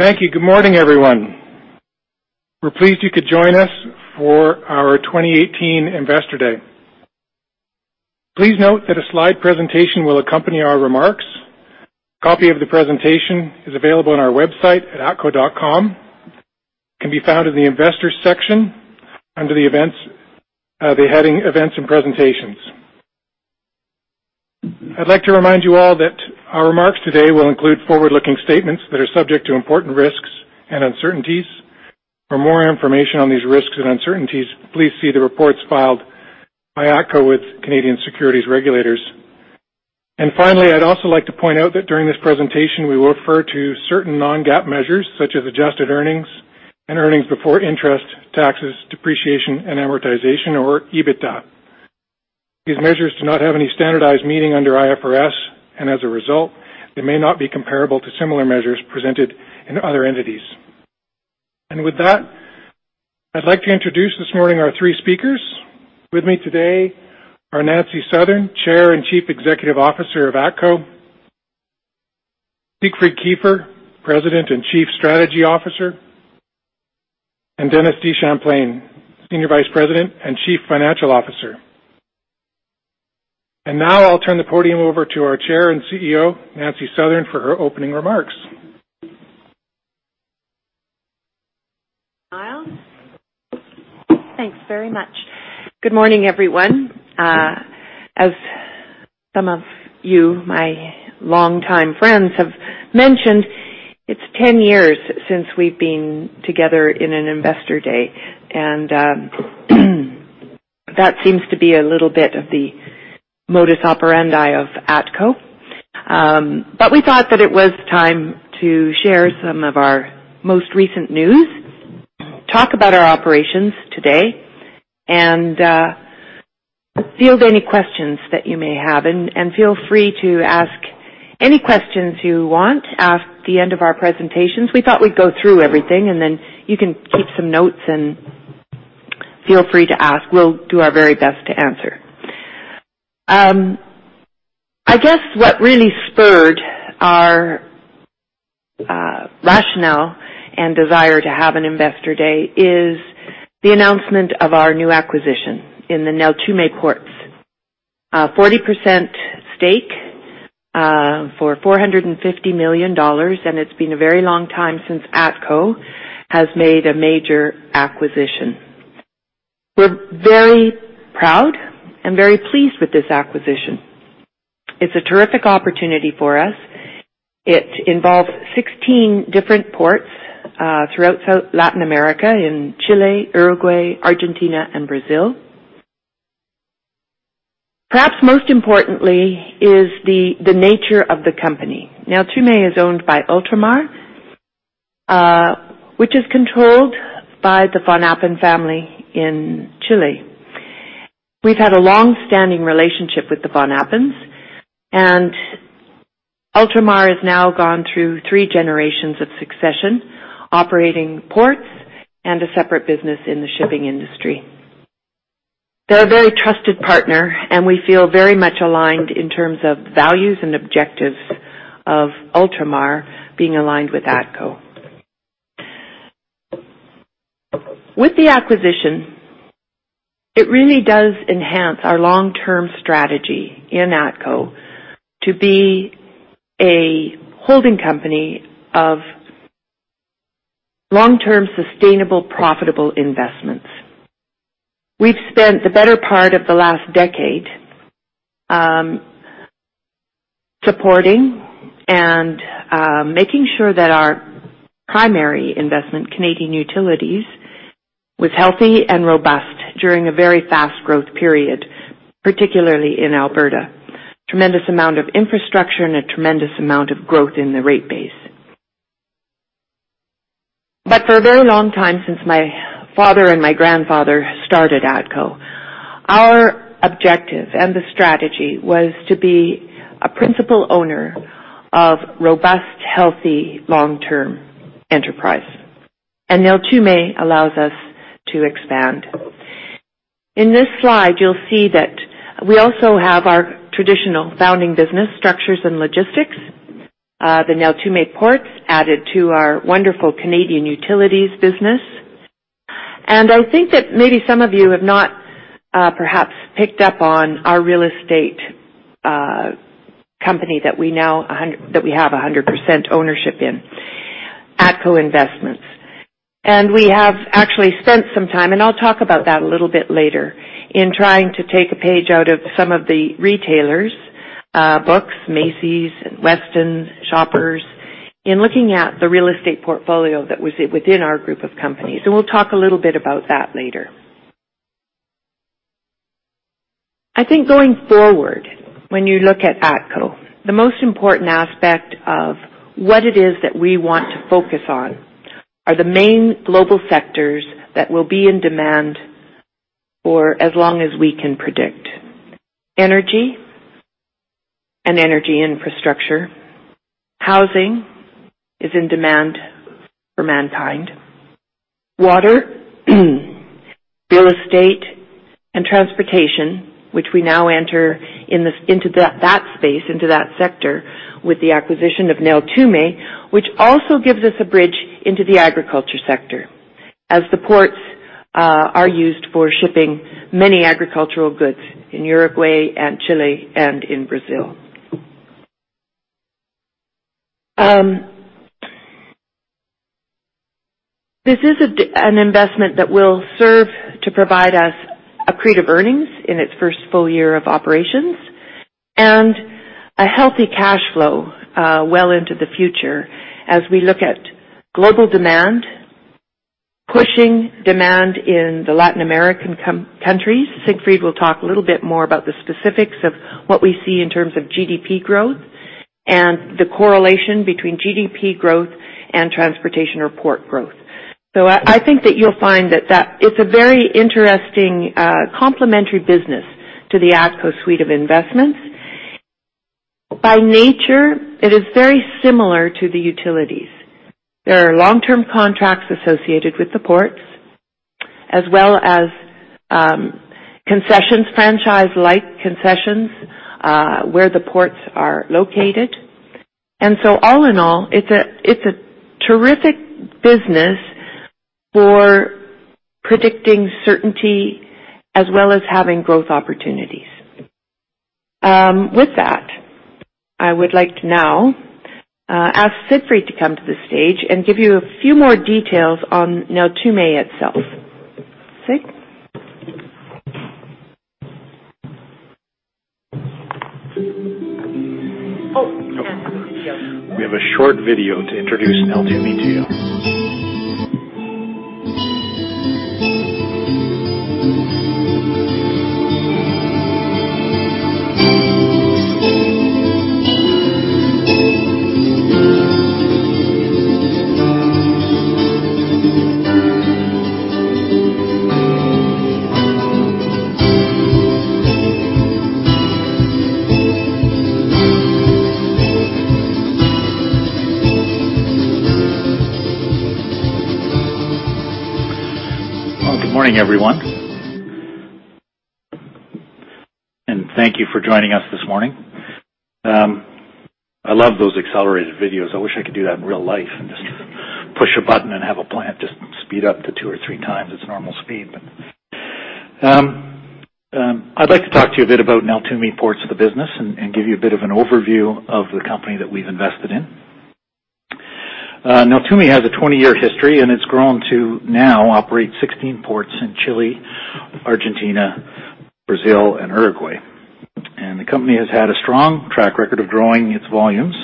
Thank you. Good morning, everyone. We are pleased you could join us for our 2018 Investor Day. Please note that a slide presentation will accompany our remarks. A copy of the presentation is available on our website at atco.com. It can be found in the Investors section under the heading Events and Presentations. I would like to remind you all that our remarks today will include forward-looking statements that are subject to important risks and uncertainties. For more information on these risks and uncertainties, please see the reports filed by ATCO with Canadian securities regulators. Finally, I would also like to point out that during this presentation, we will refer to certain non-GAAP measures such as adjusted earnings and earnings before interest, taxes, depreciation, and amortization, or EBITDA. These measures do not have any standardized meaning under IFRS, and as a result, they may not be comparable to similar measures presented in other entities. With that, I would like to introduce this morning our three speakers. With me today are Nancy Southern, Chair and Chief Executive Officer of ATCO, Siegfried Kiefer, President and Chief Strategy Officer, and Dennis DeChamplain, Senior Vice President and Chief Financial Officer. Now I will turn the podium over to our Chair and CEO, Nancy Southern, for her opening remarks. Myles. Thanks very much. Good morning, everyone. As some of you, my longtime friends, have mentioned, it is 10 years since we have been together in an Investor Day. That seems to be a little bit of the modus operandi of ATCO. We thought that it was time to share some of our most recent news, talk about our operations today, and field any questions that you may have. Feel free to ask any questions you want at the end of our presentations. We thought we would go through everything, and then you can take some notes and feel free to ask. We will do our very best to answer. I guess what really spurred our rationale and desire to have an Investor Day is the announcement of our new acquisition in the Neltume Ports, a 40% stake for 450 million dollars. It has been a very long time since ATCO has made a major acquisition. We are very proud and very pleased with this acquisition. It is a terrific opportunity for us. It involves 16 different ports throughout Latin America in Chile, Uruguay, Argentina, and Brazil. Perhaps most importantly is the nature of the company. Neltume is owned by Ultramar, which is controlled by the Von Appen family in Chile. We have had a long-standing relationship with the Von Appens, and Ultramar has now gone through three generations of succession, operating ports and a separate business in the shipping industry. They are a very trusted partner, and we feel very much aligned in terms of values and objectives of Ultramar being aligned with ATCO. With the acquisition, it really does enhance our long-term strategy in ATCO to be a holding company of long-term, sustainable, profitable investments. We've spent the better part of the last decade supporting and making sure that our primary investment, Canadian Utilities, was healthy and robust during a very fast growth period, particularly in Alberta. Tremendous amount of infrastructure and a tremendous amount of growth in the rate base. For a very long time, since my father and my grandfather started ATCO, our objective and the strategy was to be a principal owner of robust, healthy, long-term enterprise. Neltume allows us to expand. In this slide, you'll see that we also have our traditional founding business ATCO Structures & Logistics. The Neltume Ports added to our wonderful Canadian Utilities business. I think that maybe some of you have not perhaps picked up on our real estate company that we have 100% ownership in, ATCO Investments. We have actually spent some time, and I'll talk about that a little bit later, in trying to take a page out of some of the retailers, Books, Macy's, Westons, Shoppers Drug Mart, in looking at the real estate portfolio that was within our group of companies. We'll talk a little bit about that later. Going forward, when you look at ATCO, the most important aspect of what it is that we want to focus on are the main global sectors that will be in demand for as long as we can predict. Energy and energy infrastructure. Housing is in demand for mankind. Water, real estate, and transportation, which we now enter into that space, into that sector, with the acquisition of Neltume, which also gives us a bridge into the agriculture sector, as the ports are used for shipping many agricultural goods in Uruguay and Chile and in Brazil. This is an investment that will serve to provide us accretive earnings in its first full year of operations and a healthy cash flow well into the future. As we look at global demand, pushing demand in the Latin American countries, Siegfried will talk a little bit more about the specifics of what we see in terms of GDP growth and the correlation between GDP growth and transportation or port growth. I think that you'll find that it's a very interesting complementary business to the ATCO suite of investments. By nature, it is very similar to the utilities. There are long-term contracts associated with the ports, as well as concessions, franchise-like concessions, where the ports are located. All in all, it's a terrific business for predicting certainty as well as having growth opportunities. With that, I would like to now ask Siegfried to come to the stage and give you a few more details on Neltume itself. Sig? Oh, and the video. We have a short video to introduce Neltume to you. Well, good morning, everyone. Thank you for joining us this morning. I love those accelerated videos. I wish I could do that in real life and just push a button and have a plant just speed up to 2 or 3 times its normal speed. I'd like to talk to you a bit about Neltume Ports, the business, and give you a bit of an overview of the company that we've invested in. Neltume has a 20-year history, and it's grown to now operate 16 ports in Chile, Argentina, Brazil, and Uruguay. The company has had a strong track record of growing its volumes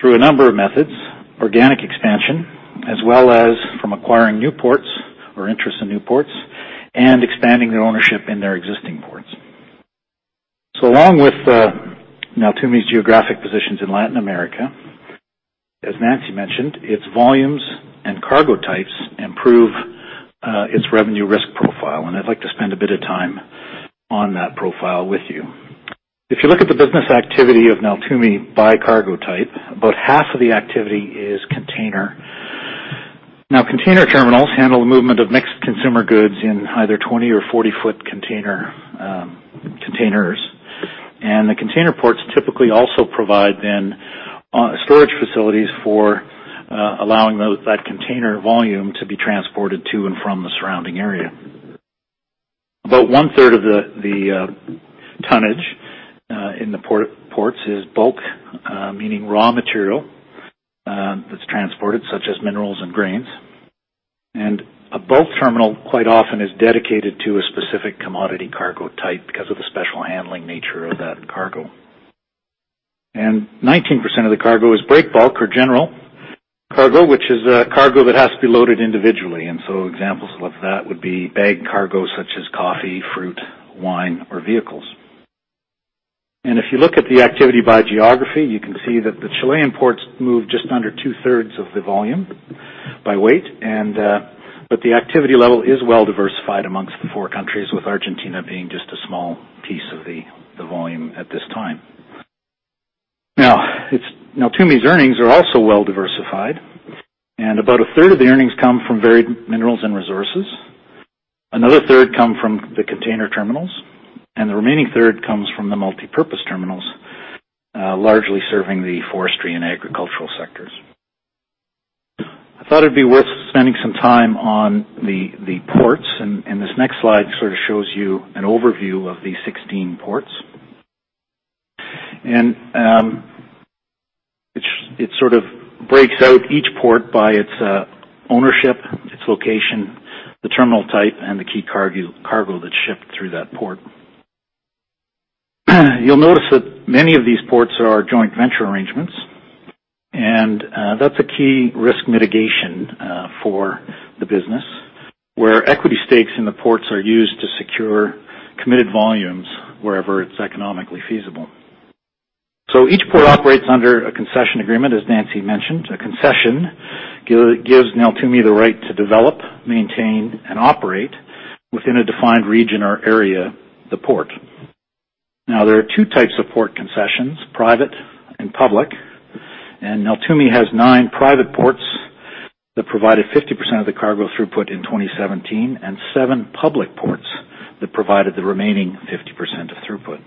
through a number of methods, organic expansion, as well as from acquiring new ports or interest in new ports, and expanding their ownership in their existing ports. Along with Neltume's geographic positions in Latin America, as Nancy mentioned, its volumes and cargo types improve its revenue risk profile, and I'd like to spend a bit of time on that profile with you. If you look at the business activity of Neltume by cargo type, about half of the activity is container. Now, container terminals handle the movement of mixed consumer goods in either 20 or 40-foot containers. The container ports typically also provide then storage facilities for allowing that container volume to be transported to and from the surrounding area. About one-third of the tonnage in the ports is bulk, meaning raw material that's transported, such as minerals and grains. A bulk terminal quite often is dedicated to a specific commodity cargo type because of the special handling nature of that cargo. 19% of the cargo is break bulk or general cargo, which is cargo that has to be loaded individually. Examples of that would be bagged cargo such as coffee, fruit, wine, or vehicles. If you look at the activity by geography, you can see that the Chilean ports move just under two-thirds of the volume by weight. The activity level is well diversified amongst the four countries, with Argentina being just a small piece of the volume at this time. Neltume's earnings are also well diversified, about a third of the earnings come from varied minerals and resources. Another third come from the container terminals, the remaining third comes from the multipurpose terminals, largely serving the forestry and agricultural sectors. I thought it'd be worth spending some time on the ports, this next slide sort of shows you an overview of the 16 ports. It sort of breaks out each port by its ownership, its location, the terminal type, and the key cargo that's shipped through that port. You'll notice that many of these ports are our joint venture arrangements, that's a key risk mitigation for the business, where equity stakes in the ports are used to secure committed volumes wherever it's economically feasible. Each port operates under a concession agreement, as Nancy mentioned. A concession gives Neltume the right to develop, maintain, and operate within a defined region or area, the port. There are 2 types of port concessions, private and public. Neltume has nine private ports that provided 50% of the cargo throughput in 2017, and seven public ports that provided the remaining 50% of throughput.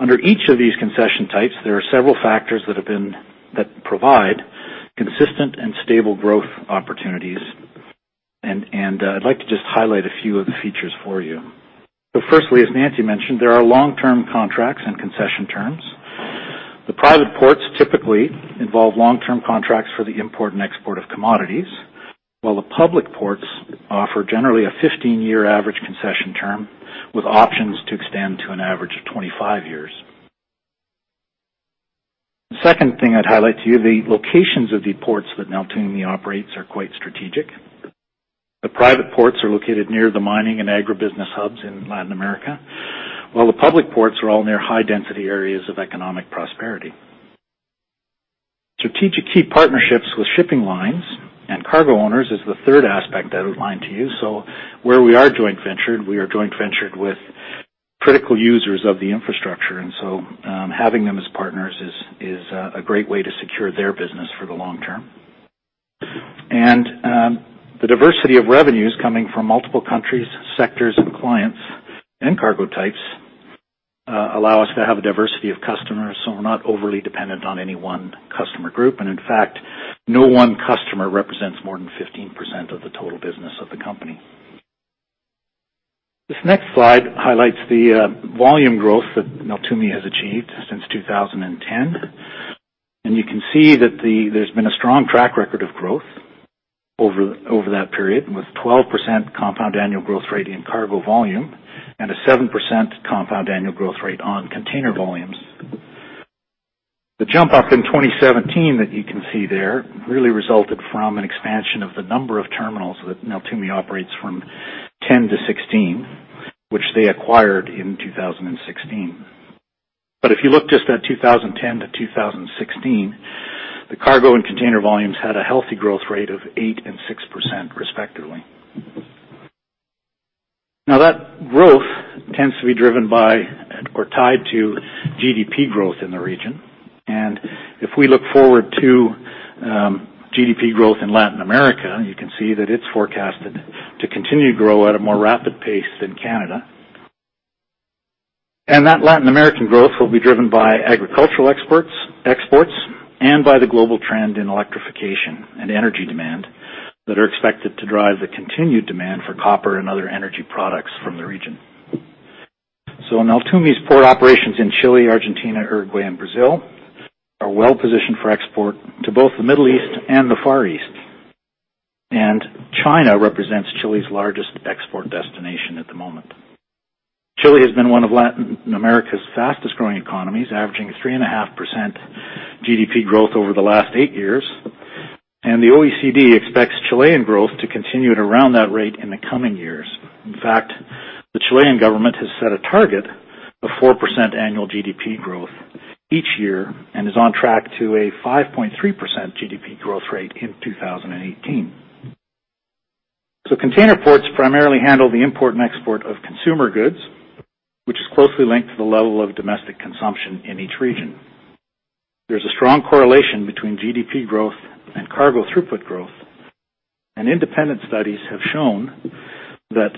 Under each of these concession types, there are several factors that provide consistent and stable growth opportunities. I'd like to just highlight a few of the features for you. Firstly, as Nancy mentioned, there are long-term contracts and concession terms. The private ports typically involve long-term contracts for the import and export of commodities. While the public ports offer generally a 15-year average concession term with options to extend to an average of 25 years. Second thing I'd highlight to you, the locations of the ports that Neltume operates are quite strategic. The private ports are located near the mining and agribusiness hubs in Latin America, while the public ports are all near high-density areas of economic prosperity. Strategic key partnerships with shipping lines and cargo owners is the third aspect that I would highlight to you. Where we are joint ventured, we are joint ventured with critical users of the infrastructure, having them as partners is a great way to secure their business for the long term. The diversity of revenues coming from multiple countries, sectors and clients and cargo types, allow us to have a diversity of customers so we're not overly dependent on any one customer group. In fact, no one customer represents more than 15% of the total business of the company. This next slide highlights the volume growth that Neltume has achieved since 2010. You can see that there's been a strong track record of growth over that period, with 12% compound annual growth rate in cargo volume and a 7% compound annual growth rate on container volumes. The jump up in 2017 that you can see there really resulted from an expansion of the number of terminals that Neltume operates from 10 to 16, which they acquired in 2016. If you look just at 2010 to 2016, the cargo and container volumes had a healthy growth rate of 8% and 6%, respectively. That growth tends to be driven by or tied to GDP growth in the region. If we look forward to GDP growth in Latin America, you can see that it's forecasted to continue to grow at a more rapid pace than Canada. That Latin American growth will be driven by agricultural exports and by the global trend in electrification and energy demand that are expected to drive the continued demand for copper and other energy products from the region. Neltume's port operations in Chile, Argentina, Uruguay, and Brazil are well positioned for export to both the Middle East and the Far East. China represents Chile's largest export destination at the moment. Chile has been one of Latin America's fastest-growing economies, averaging 3.5% GDP growth over the last eight years. The OECD expects Chilean growth to continue at around that rate in the coming years. In fact, the Chilean government has set a target of 4% annual GDP growth each year and is on track to a 5.3% GDP growth rate in 2018. Container ports primarily handle the import and export of consumer goods, which is closely linked to the level of domestic consumption in each region. There is a strong correlation between GDP growth and cargo throughput growth. Independent studies have shown that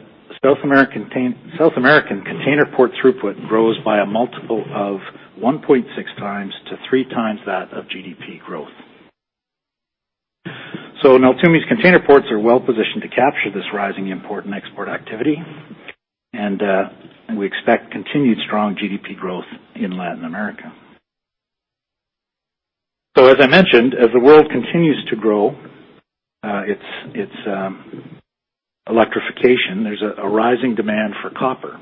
South American container port throughput grows by a multiple of 1.6 times to three times that of GDP growth. Neltume's container ports are well positioned to capture this rising import and export activity. We expect continued strong GDP growth in Latin America. As I mentioned, as the world continues to grow its electrification, there is a rising demand for copper.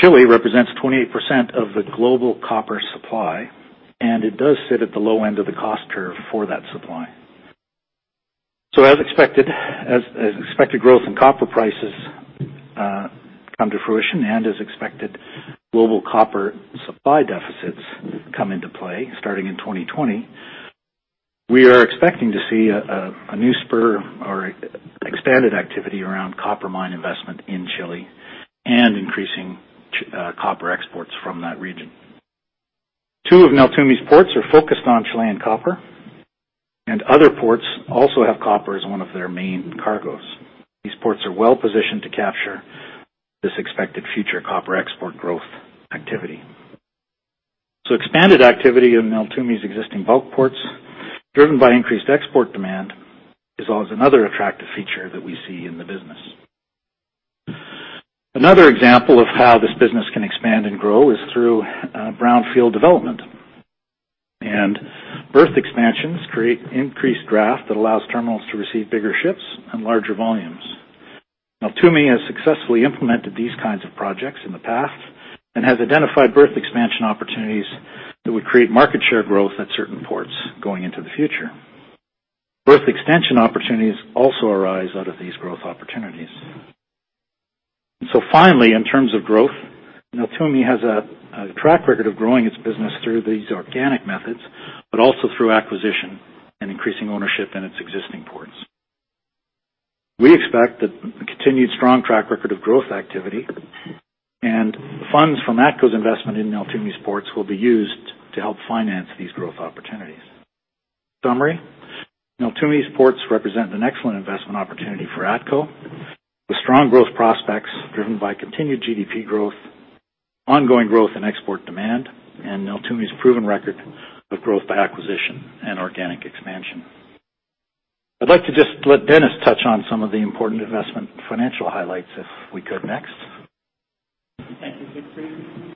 Chile represents 28% of the global copper supply, and it does sit at the low end of the cost curve for that supply. As expected growth in copper prices come to fruition and as expected global copper supply deficits come into play starting in 2020, we are expecting to see a new spur or expanded activity around copper mine investment in Chile and increasing copper exports from that region. Two of Neltume's ports are focused on Chilean copper, and other ports also have copper as one of their main cargos. These ports are well positioned to capture this expected future copper export growth activity. Expanded activity in Neltume's existing bulk ports, driven by increased export demand, is always another attractive feature that we see in the business. Another example of how this business can expand and grow is through brownfield development. Berth expansions create increased draft that allows terminals to receive bigger ships and larger volumes. Neltume has successfully implemented these kinds of projects in the past and has identified berth expansion opportunities that would create market share growth at certain ports going into the future. Berth extension opportunities also arise out of these growth opportunities. Finally, in terms of growth, Neltume has a track record of growing its business through these organic methods, but also through acquisition and increasing ownership in its existing ports. We expect a continued strong track record of growth activity, and funds from ATCO's investment in Neltume Ports will be used to help finance these growth opportunities. Summary. Neltume's ports represent an excellent investment opportunity for ATCO, with strong growth prospects driven by continued GDP growth, ongoing growth in export demand, and Neltume's proven record of growth by acquisition and organic expansion. I'd like to just let Dennis touch on some of the important investment financial highlights, if we could next. Thank you, Siegfried.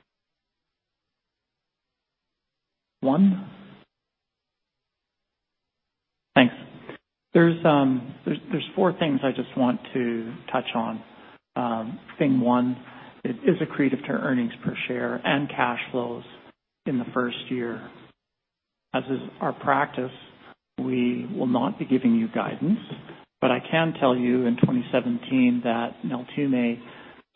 One. Thanks. There's four things I just want to touch on. Thing one is accretive to earnings per share and cash flows in the first year. As is our practice, we will not be giving you guidance, but I can tell you in 2017 that Neltume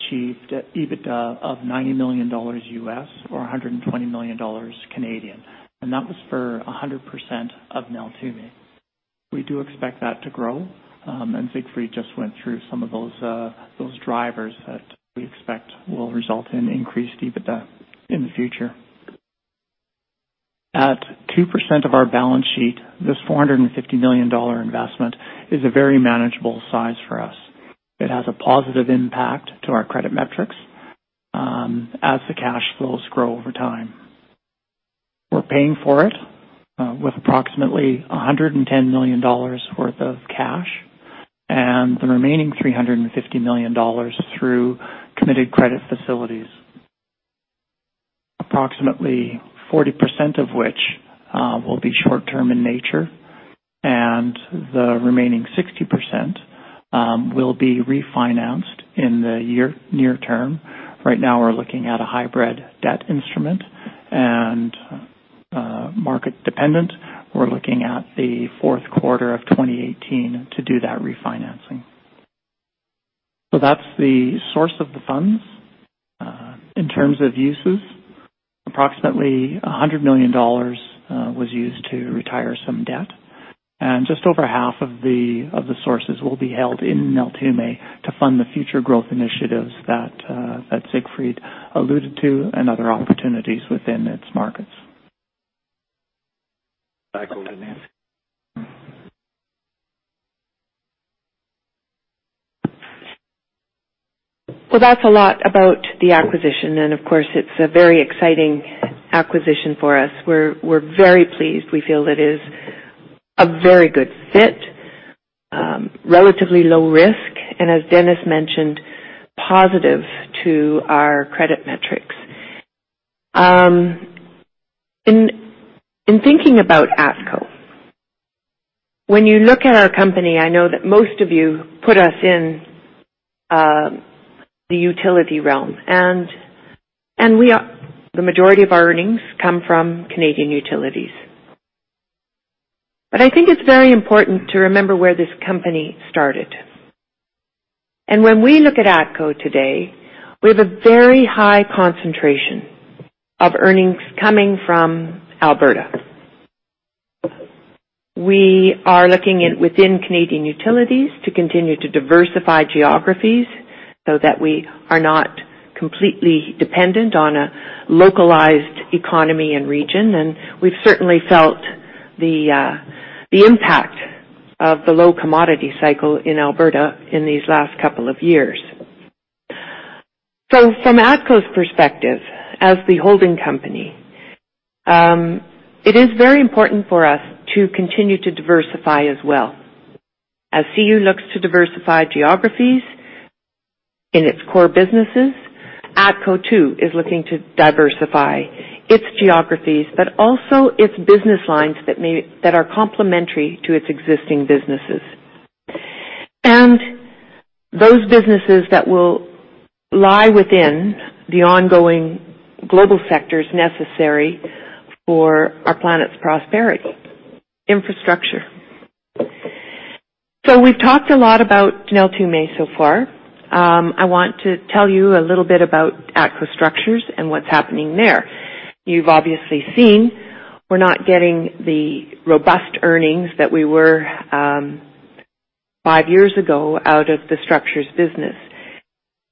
achieved EBITDA of $90 million U.S., or 120 million Canadian dollars, and that was for 100% of Neltume. We do expect that to grow. Siegfried just went through some of those drivers that we expect will result in increased EBITDA in the future. At 2% of our balance sheet, this 450 million dollar investment is a very manageable size for us. It has a positive impact to our credit metrics as the cash flows grow over time. We're paying for it with approximately 110 million dollars worth of cash and the remaining 350 million dollars through committed credit facilities. Approximately 40% of which will be short-term in nature. The remaining 60% will be refinanced in the near term. Right now, we're looking at a hybrid debt instrument and market-dependent. We're looking at the fourth quarter of 2018 to do that refinancing. That's the source of the funds. In terms of uses, approximately 100 million dollars was used to retire some debt. Just over half of the sources will be held in Neltume to fund the future growth initiatives that Siegfried alluded to and other opportunities within its markets. Back over to Nancy. That's a lot about the acquisition, and of course, it's a very exciting acquisition for us. We're very pleased. We feel it is a very good fit, relatively low risk, and as Dennis mentioned, positive to our credit metrics. In thinking about ATCO, when you look at our company, I know that most of you put us in the utility realm. The majority of our earnings come from Canadian Utilities. I think it's very important to remember where this company started. When we look at ATCO today, we have a very high concentration of earnings coming from Alberta. We are looking within Canadian Utilities to continue to diversify geographies so that we are not completely dependent on a localized economy and region. We've certainly felt the impact of the low commodity cycle in Alberta in these last couple of years. From ATCO's perspective as the holding company, it is very important for us to continue to diversify as well. As CU looks to diversify geographies in its core businesses, ATCO too is looking to diversify its geographies, but also its business lines that are complementary to its existing businesses. Those businesses that will lie within the ongoing global sectors necessary for our planet's prosperity. Infrastructure. We've talked a lot about Neltume so far. I want to tell you a little bit about ATCO Structures and what's happening there. You've obviously seen we're not getting the robust earnings that we were five years ago out of the Structures business.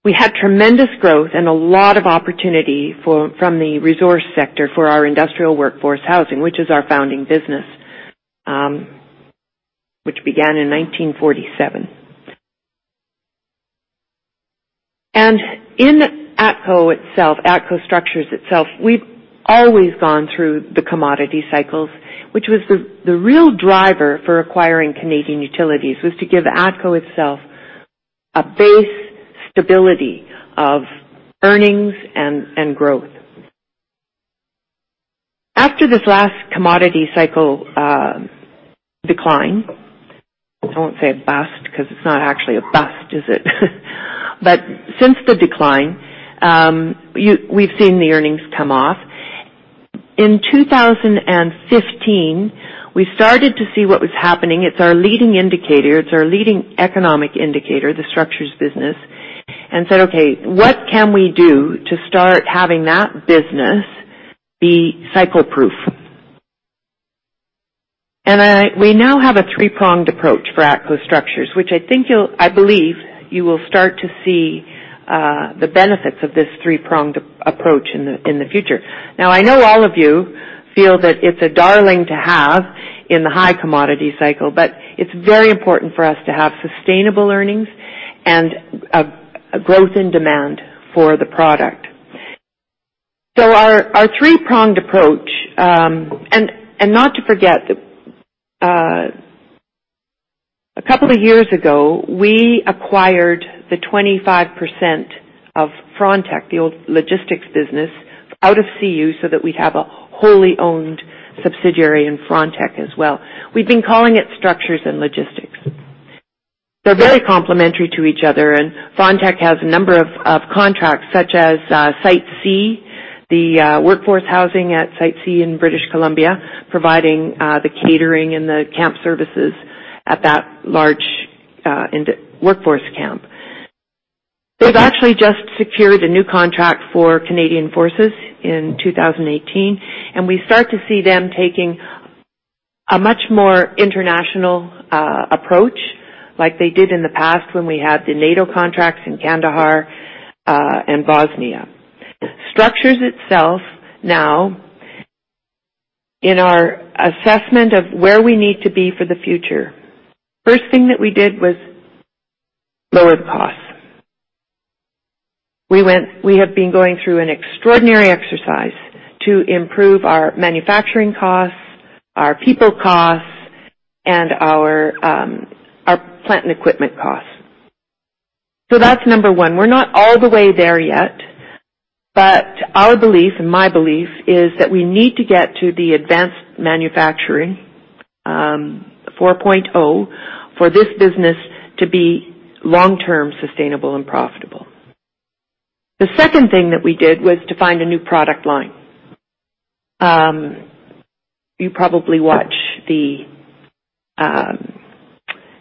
We had tremendous growth and a lot of opportunity from the resource sector for our industrial workforce housing, which is our founding business, which began in 1947. In ATCO itself, ATCO Structures itself, we've always gone through the commodity cycles, which was the real driver for acquiring Canadian Utilities, was to give ATCO itself a base stability of earnings and growth. After this last commodity cycle decline, I won't say a bust because it's not actually a bust, is it? Since the decline, we've seen the earnings come off. In 2015, we started to see what was happening. It's our leading indicator, it's our leading economic indicator, the Structures business, and said, "Okay, what can we do to start having that business be cycle proof?" We now have a three-pronged approach for ATCO Structures, which I believe you will start to see the benefits of this three-pronged approach in the future. Now, I know all of you feel that it's a darling to have in the high commodity cycle, but it's very important for us to have sustainable earnings and a growth in demand for the product. Our three-pronged approach, and not to forget that a couple of years ago, we acquired the 25% of Frontec, the old logistics business, out of CU so that we'd have a wholly owned subsidiary in Frontec as well. We've been calling it Structures and Logistics. They're very complementary to each other, and Frontec has a number of contracts such as Site C, the workforce housing at Site C in British Columbia, providing the catering and the camp services at that large workforce camp. They've actually just secured a new contract for Canadian Forces in 2018, we start to see them taking a much more international approach like they did in the past when we had the NATO contracts in Kandahar and Bosnia. Structures itself now, in our assessment of where we need to be for the future, first thing that we did was lower the cost. We have been going through an extraordinary exercise to improve our manufacturing costs, our people costs, and our plant and equipment costs. That's number one. We're not all the way there yet, but our belief and my belief is that we need to get to the advanced manufacturing 4.0 for this business to be long-term sustainable and profitable. The second thing that we did was to find a new product line. You probably watch the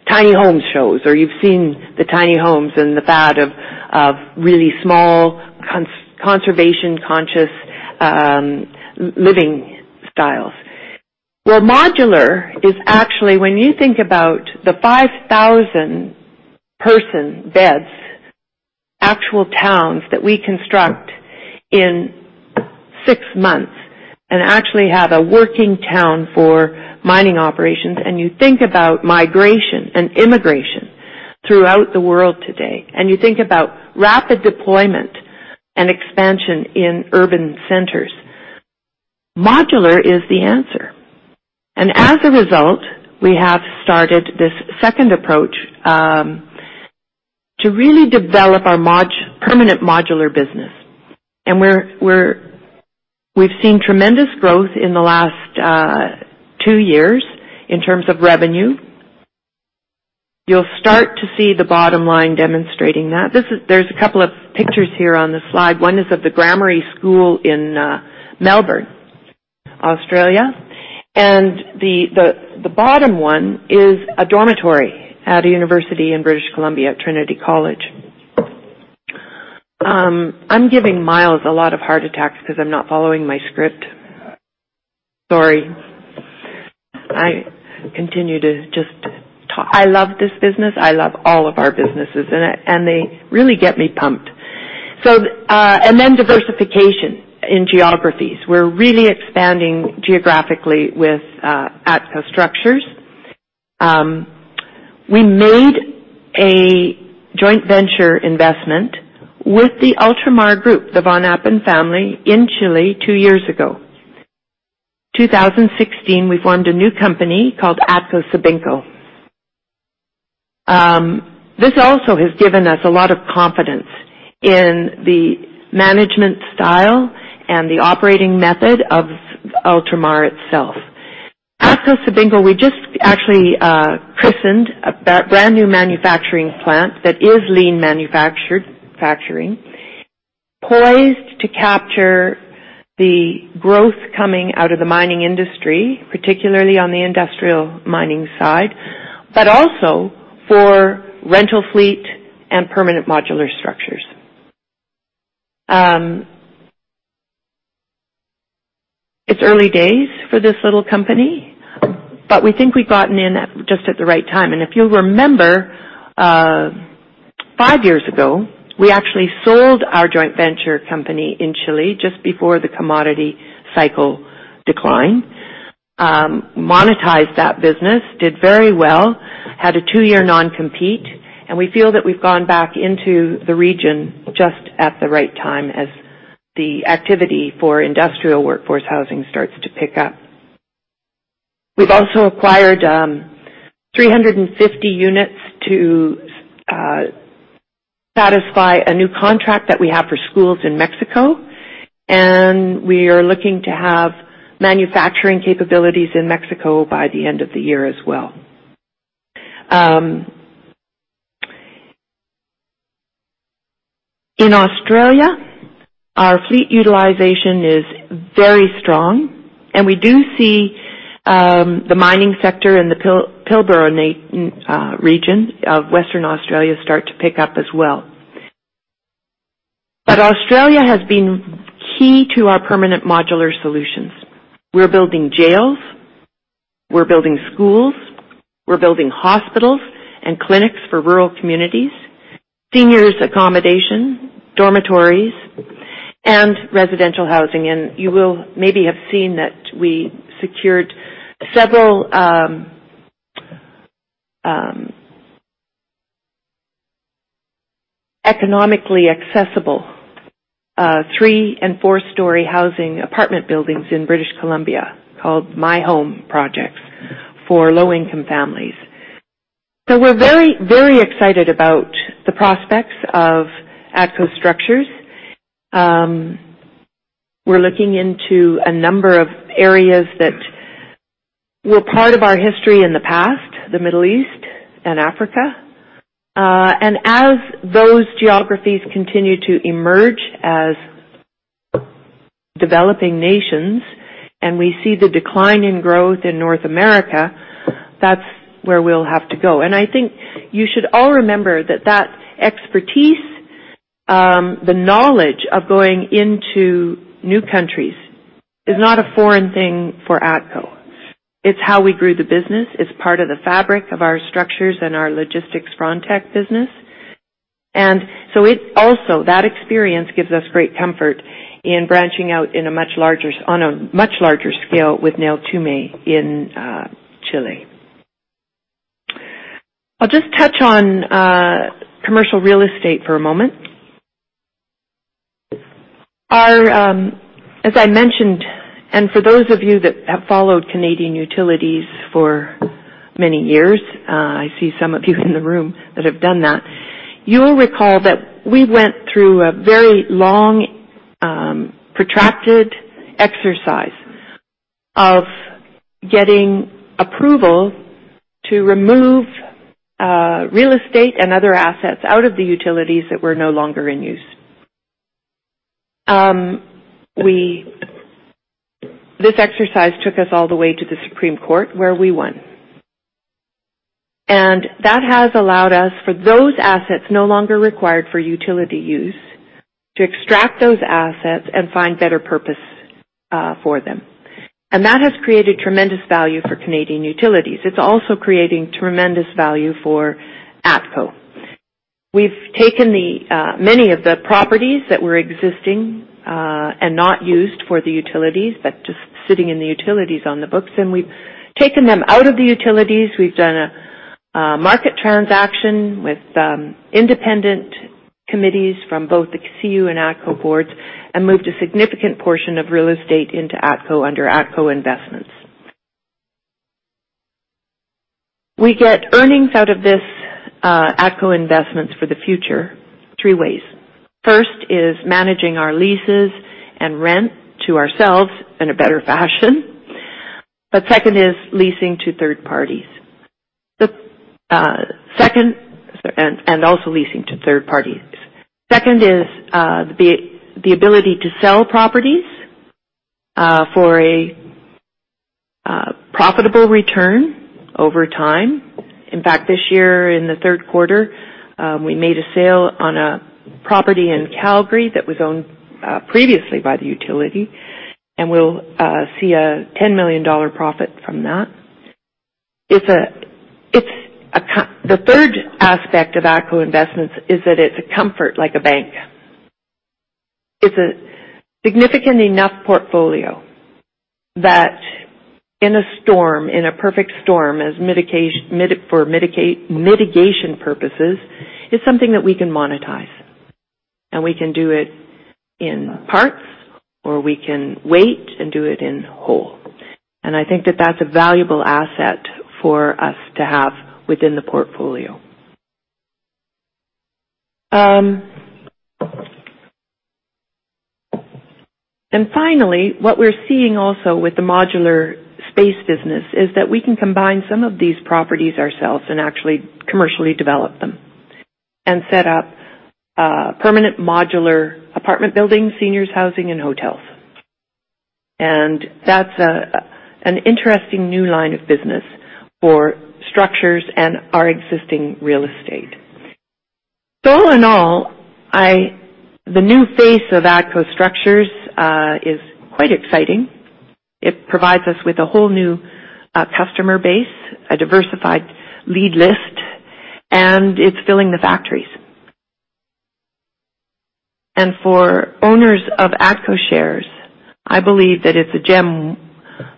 tiny home shows, or you've seen the tiny homes and the fad of really small, conservation conscious living styles. Well, modular is actually, when you think about the 5,000 person beds, actual towns that we construct in 6 months and actually have a working town for mining operations, and you think about migration and immigration throughout the world today, and you think about rapid deployment and expansion in urban centers, modular is the answer. As a result, we have started this second approach, to really develop our permanent modular business. We've seen tremendous growth in the last 2 years in terms of revenue. You'll start to see the bottom line demonstrating that. There's a couple of pictures here on the slide. One is of the Grammar School in Melbourne, Australia, the bottom one is a dormitory at a university in British Columbia at Trinity College. I'm giving Myles a lot of heart attacks because I'm not following my script. Sorry. I continue to just talk. I love this business. I love all of our businesses, they really get me pumped. Diversification in geographies. We're really expanding geographically with ATCO Structures. We made a joint venture investment with the Ultramar Group, the Von Appen family in Chile 2 years ago. 2016, we formed a new company called ATCO-Sabinco. This also has given us a lot of confidence in the management style and the operating method of Ultramar itself. ATCO-Sabinco, we just actually christened a brand new manufacturing plant that is lean manufacturing, poised to capture the growth coming out of the mining industry, particularly on the industrial mining side, but also for rental fleet and permanent modular structures. It's early days for this little company, but we think we've gotten in at just at the right time. If you'll remember, 5 years ago, we actually sold our joint venture company in Chile just before the commodity cycle decline. Monetized that business, did very well, had a 2-year non-compete. We feel that we've gone back into the region just at the right time as the activity for industrial workforce housing starts to pick up. We've also acquired 350 units to satisfy a new contract that we have for schools in Mexico. We are looking to have manufacturing capabilities in Mexico by the end of the year as well. In Australia, our fleet utilization is very strong. We do see the mining sector in the Pilbara region of Western Australia start to pick up as well. Australia has been key to our permanent modular solutions. We're building jails, we're building schools, we're building hospitals and clinics for rural communities, seniors accommodation, dormitories, and residential housing. You will maybe have seen that we secured several economically accessible 3 and 4-story housing apartment buildings in British Columbia called My Home Place for low-income families. We're very excited about the prospects of ATCO Structures. We're looking into a number of areas that were part of our history in the past, the Middle East and Africa. As those geographies continue to emerge as developing nations and we see the decline in growth in North America, that's where we'll have to go. I think you should all remember that expertise, the knowledge of going into new countries is not a foreign thing for ATCO. It's how we grew the business. It's part of the fabric of our structures and our logistics Frontec business. Also, that experience gives us great comfort in branching out on a much larger scale with Neltume in Chile. I'll just touch on commercial real estate for a moment. As I mentioned, and for those of you that have followed Canadian Utilities for many years, I see some of you in the room that have done that. You'll recall that we went through a very long, protracted exercise of getting approval to remove real estate and other assets out of the utilities that were no longer in use. This exercise took us all the way to the Supreme Court, where we won. That has allowed us, for those assets no longer required for utility use, to extract those assets and find better purpose for them. That has created tremendous value for Canadian Utilities. It's also creating tremendous value for ATCO. We've taken many of the properties that were existing, and not used for the utilities, but just sitting in the utilities on the books, and we've taken them out of the utilities. We've done a market transaction with independent committees from both the CU and ATCO boards and moved a significant portion of real estate into ATCO under ATCO Investments. We get earnings out of this ATCO Investments for the future three ways. First is managing our leases and rent to ourselves in a better fashion, and also leasing to third parties. Second is, the ability to sell properties, for a profitable return over time. In fact, this year in the third quarter, we made a sale on a property in Calgary that was owned previously by the utility, and we'll see a 10 million dollar profit from that. The third aspect of ATCO Investments is that it's a comfort like a bank. It's a significant enough portfolio that in a storm, in a perfect storm, for mitigation purposes, it's something that we can monetize, and we can do it in parts, or we can wait and do it in whole. I think that that's a valuable asset for us to have within the portfolio. Finally, what we're seeing also with the modular space business is that we can combine some of these properties ourselves and actually commercially develop them and set up permanent modular apartment buildings, seniors housing, and hotels. That's an interesting new line of business for structures and our existing real estate. All in all, the new face of ATCO Structures is quite exciting. It provides us with a whole new customer base, a diversified lead list, and it's filling the factories. For owners of ATCO shares, I believe that it's a gem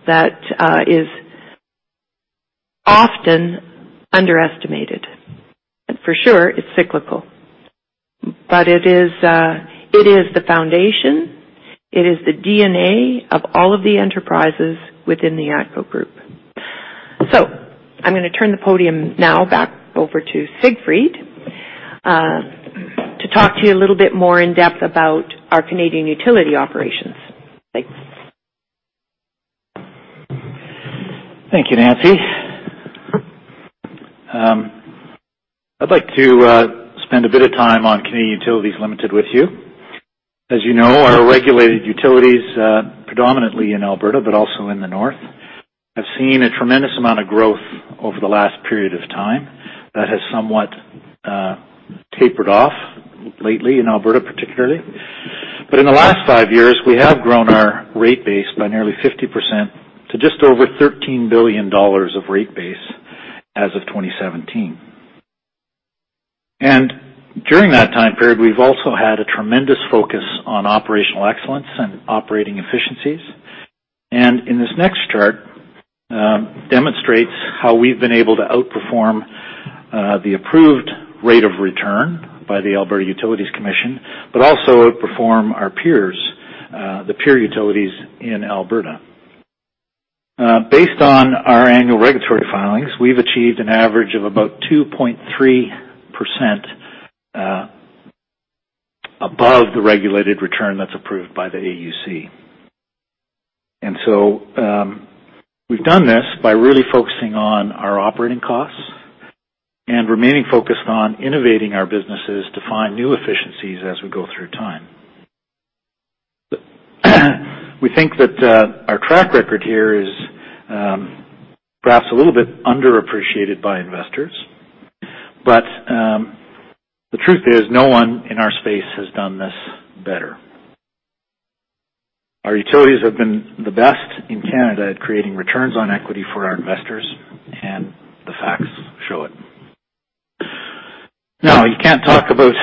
that is often underestimated. For sure, it's cyclical. It is the foundation, it is the DNA of all of the enterprises within the ATCO Group. I'm going to turn the podium now back over to Siegfried to talk to you a little bit more in depth about our Canadian utility operations. Thanks. Thank you, Nancy. I'd like to spend a bit of time on Canadian Utilities Limited with you. As you know, our regulated utilities, predominantly in Alberta, but also in the North, have seen a tremendous amount of growth over the last period of time. That has somewhat tapered off lately in Alberta particularly. But in the last 5 years, we have grown our rate base by nearly 50% to just over 13 billion dollars of rate base as of 2017. During that time period, we've also had a tremendous focus on operational excellence and operating efficiencies. This next chart demonstrates how we've been able to outperform the approved rate of return by the Alberta Utilities Commission, but also outperform our peers, the peer utilities in Alberta. Based on our annual regulatory filings, we've achieved an average of about 2.3% above the regulated return that's approved by the AUC. We've done this by really focusing on our operating costs and remaining focused on innovating our businesses to find new efficiencies as we go through time. We think that our track record here is perhaps a little bit underappreciated by investors, but the truth is, no one in our space has done this better. Our utilities have been the best in Canada at creating returns on equity for our investors, and the facts show it. You can't talk about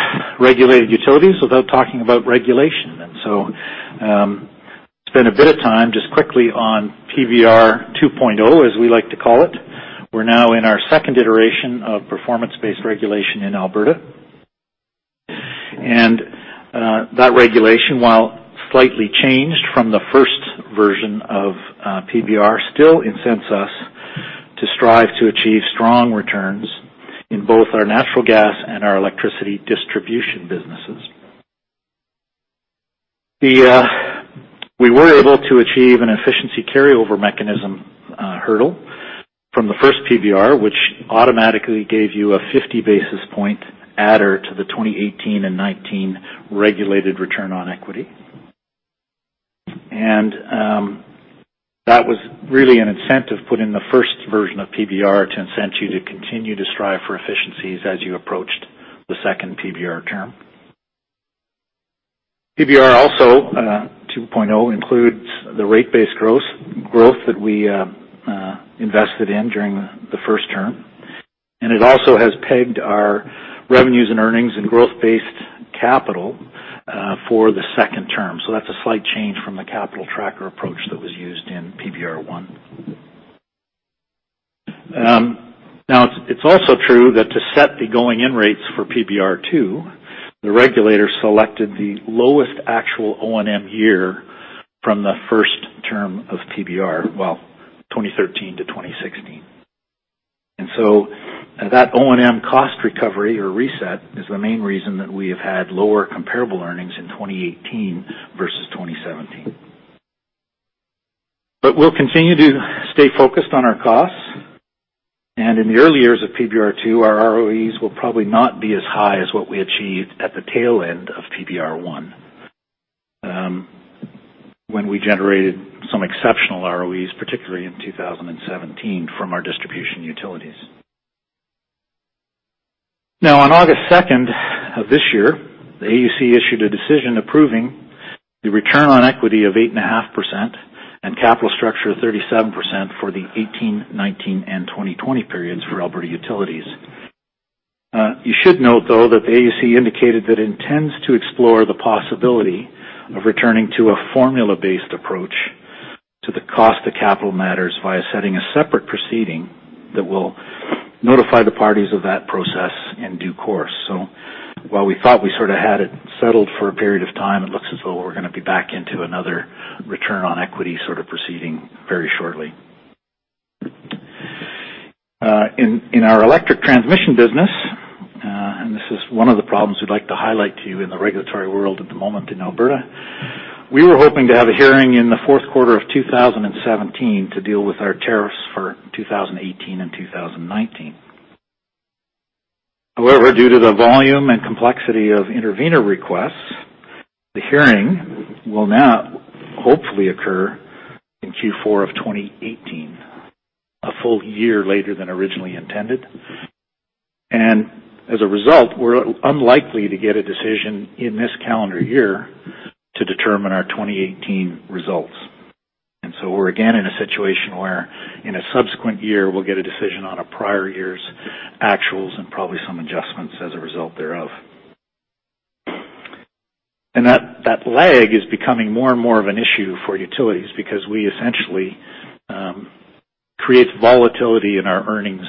regulated utilities without talking about regulation. So spend a bit of time just quickly on PBR 2.0, as we like to call it. We're now in our second iteration of performance-based regulation in Alberta. That regulation, while slightly changed from the first version of PBR, still incents us to strive to achieve strong returns in both our natural gas and our electricity distribution businesses. We were able to achieve an efficiency carryover mechanism hurdle from the PBR 1, which automatically gave you a 50 basis point adder to the 2018 and 2019 regulated return on equity. That was really an incentive put in the first version of PBR to incent you to continue to strive for efficiencies as you approached the second PBR term. PBR 2.0 also includes the rate base growth that we invested in during the first term, and it also has pegged our revenues and earnings and growth-based capital for the second term. So that's a slight change from the capital tracker approach that was used in PBR 1. It's also true that to set the going-in rates for PBR 2, the regulator selected the lowest actual O&M year from the first term of PBR, 2013-2016. That O&M cost recovery or reset is the main reason that we have had lower comparable earnings in 2018 versus 2017. But we'll continue to stay focused on our costs. In the early years of PBR 2, our ROEs will probably not be as high as what we achieved at the tail end of PBR 1 when we generated some exceptional ROEs, particularly in 2017 from our distribution utilities. On August 2nd of this year, the AUC issued a decision approving the return on equity of 8.5% and capital structure of 37% for the 2018, 2019, and 2020 periods for Alberta Utilities. You should note, though, that the AUC indicated that it intends to explore the possibility of returning to a formula-based approach to the cost of capital matters via setting a separate proceeding that will notify the parties of that process in due course. While we thought we sort of had it settled for a period of time, it looks as though we're going to be back into another return on equity sort of proceeding very shortly. In our electric transmission business, and this is one of the problems we'd like to highlight to you in the regulatory world at the moment in Alberta, we were hoping to have a hearing in the fourth quarter of 2017 to deal with our tariffs for 2018 and 2019. However, due to the volume and complexity of intervener requests, the hearing will now hopefully occur in Q4 of 2018, a full year later than originally intended. As a result, we're unlikely to get a decision in this calendar year to determine our 2018 results. We're again in a situation where in a subsequent year, we'll get a decision on a prior year's actuals and probably some adjustments as a result thereof. That lag is becoming more and more of an issue for utilities because we essentially create volatility in our earnings,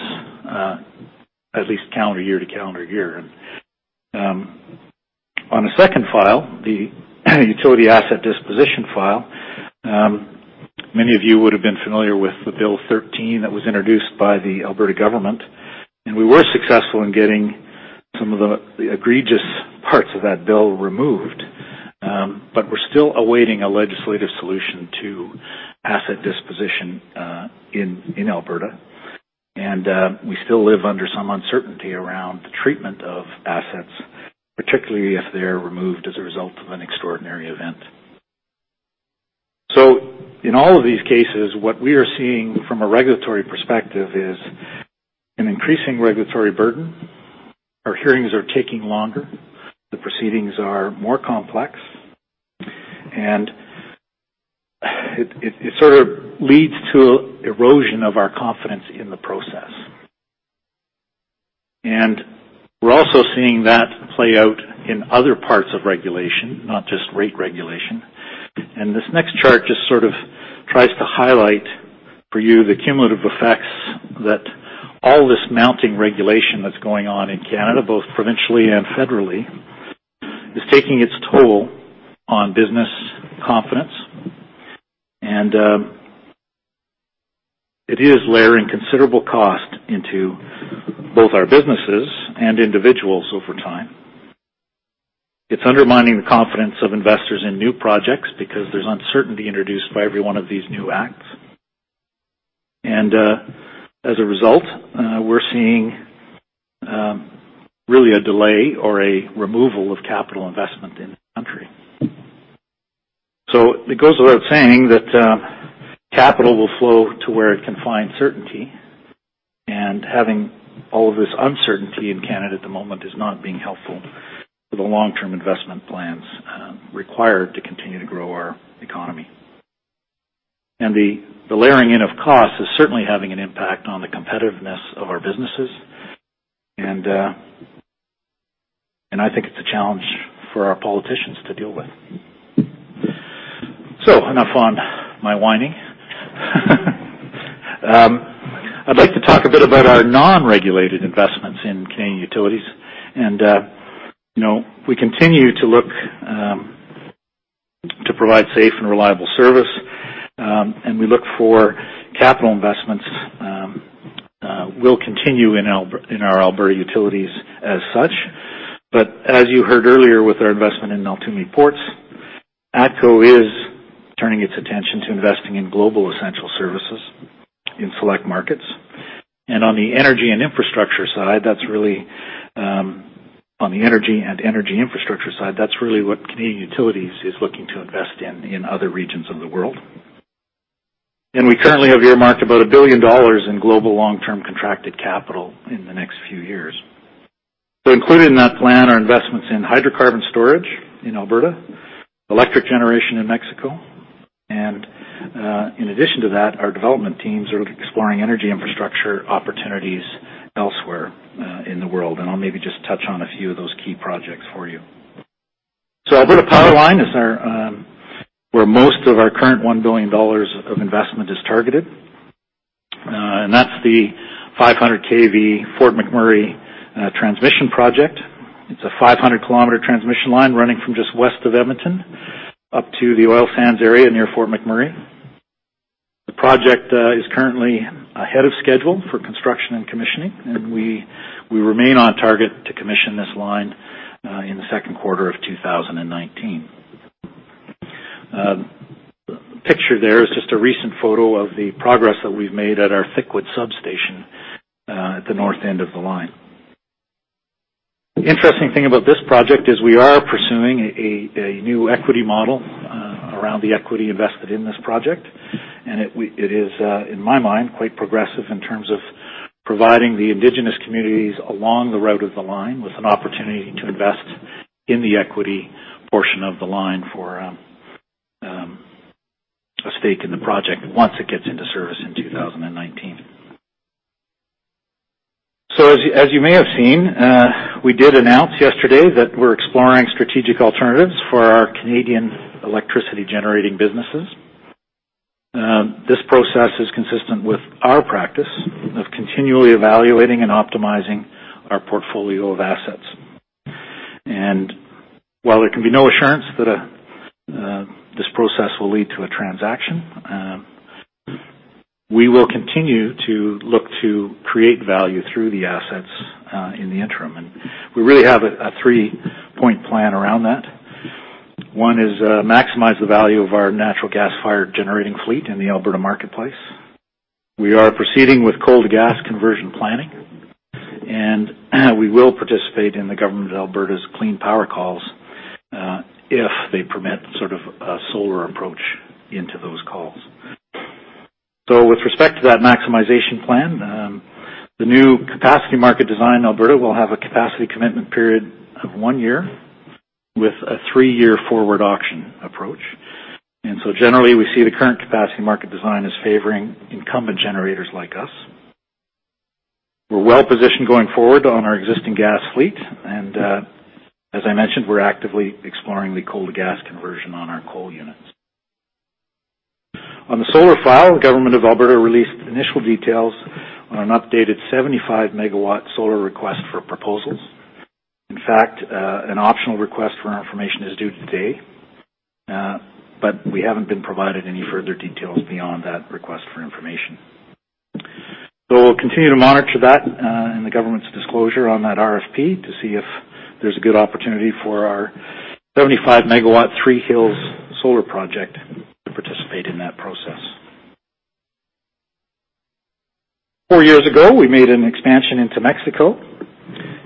at least calendar year to calendar year. On a second file, the utility asset disposition file, many of you would have been familiar with the Bill 13 that was introduced by the Alberta government, we were successful in getting some of the egregious parts of that bill removed. We're still awaiting a legislative solution to asset disposition in Alberta, we still live under some uncertainty around the treatment of assets, particularly if they're removed as a result of an extraordinary event. In all of these cases, what we are seeing from a regulatory perspective is an increasing regulatory burden. Our hearings are taking longer, the proceedings are more complex, it sort of leads to erosion of our confidence in the process. We're also seeing that play out in other parts of regulation, not just rate regulation. This next chart just sort of tries to highlight for you the cumulative effects that all this mounting regulation that's going on in Canada, both provincially and federally, is taking its toll on business confidence. It is layering considerable cost into both our businesses and individuals over time. It's undermining the confidence of investors in new projects because there's uncertainty introduced by every one of these new acts. As a result, we're seeing really a delay or a removal of capital investment in the country. It goes without saying that capital will flow to where it can find certainty. Having all of this uncertainty in Canada at the moment is not being helpful for the long-term investment plans required to continue to grow our economy. The layering in of costs is certainly having an impact on the competitiveness of our businesses. I think it's a challenge for our politicians to deal with. Enough on my whining. I'd like to talk a bit about our non-regulated investments in Canadian Utilities. We continue to look to provide safe and reliable service, and we look for capital investments will continue in our Alberta utilities as such. As you heard earlier with our investment in Neltume Ports, ATCO is turning its attention to investing in global essential services in select markets. On the energy and energy infrastructure side, that's really what Canadian Utilities is looking to invest in in other regions of the world. We currently have earmarked about 1 billion dollars in global long-term contracted capital in the next few years. Included in that plan are investments in hydrocarbon storage in Alberta, electric generation in Mexico, and, in addition to that, our development teams are exploring energy infrastructure opportunities elsewhere in the world. I'll maybe just touch on a few of those key projects for you. Alberta PowerLine is where most of our current 1 billion dollars of investment is targeted. That's the 500 kV Fort McMurray West Transmission Project. It's a 500-kilometer transmission line running from just west of Edmonton up to the oil sands area near Fort McMurray. The project is currently ahead of schedule for construction and commissioning. We remain on target to commission this line in the second quarter of 2019. Picture there is just a recent photo of the progress that we've made at our Thickwood substation, at the north end of the line. Interesting thing about this project is we are pursuing a new equity model around the equity invested in this project. It is, in my mind, quite progressive in terms of providing the indigenous communities along the route of the line with an opportunity to invest in the equity portion of the line for a stake in the project once it gets into service in 2019. As you may have seen, we did announce yesterday that we're exploring strategic alternatives for our Canadian electricity-generating businesses. This process is consistent with our practice of continually evaluating and optimizing our portfolio of assets. While there can be no assurance that this process will lead to a transaction, we will continue to look to create value through the assets in the interim. We really have a three-point plan around that. One is maximize the value of our natural gas-fired generating fleet in the Alberta marketplace. We are proceeding with coal-to-gas conversion planning, and we will participate in the government of Alberta's clean power calls if they permit sort of a solar approach into those calls. With respect to that maximization plan, the new capacity market design in Alberta will have a capacity commitment period of one year with a three-year forward auction approach. Generally, we see the current capacity market design as favoring incumbent generators like us. We're well-positioned going forward on our existing gas fleet. As I mentioned, we're actively exploring the coal-to-gas conversion on our coal units. On the solar file, the government of Alberta released initial details on an updated 75 MW solar request for proposals. In fact, an optional request for our information is due today. We haven't been provided any further details beyond that request for information. We'll continue to monitor that and the government's disclosure on that RFP to see if there's a good opportunity for our 75 MW Three Hills Solar Project to participate in that process. Four years ago, we made an expansion into Mexico.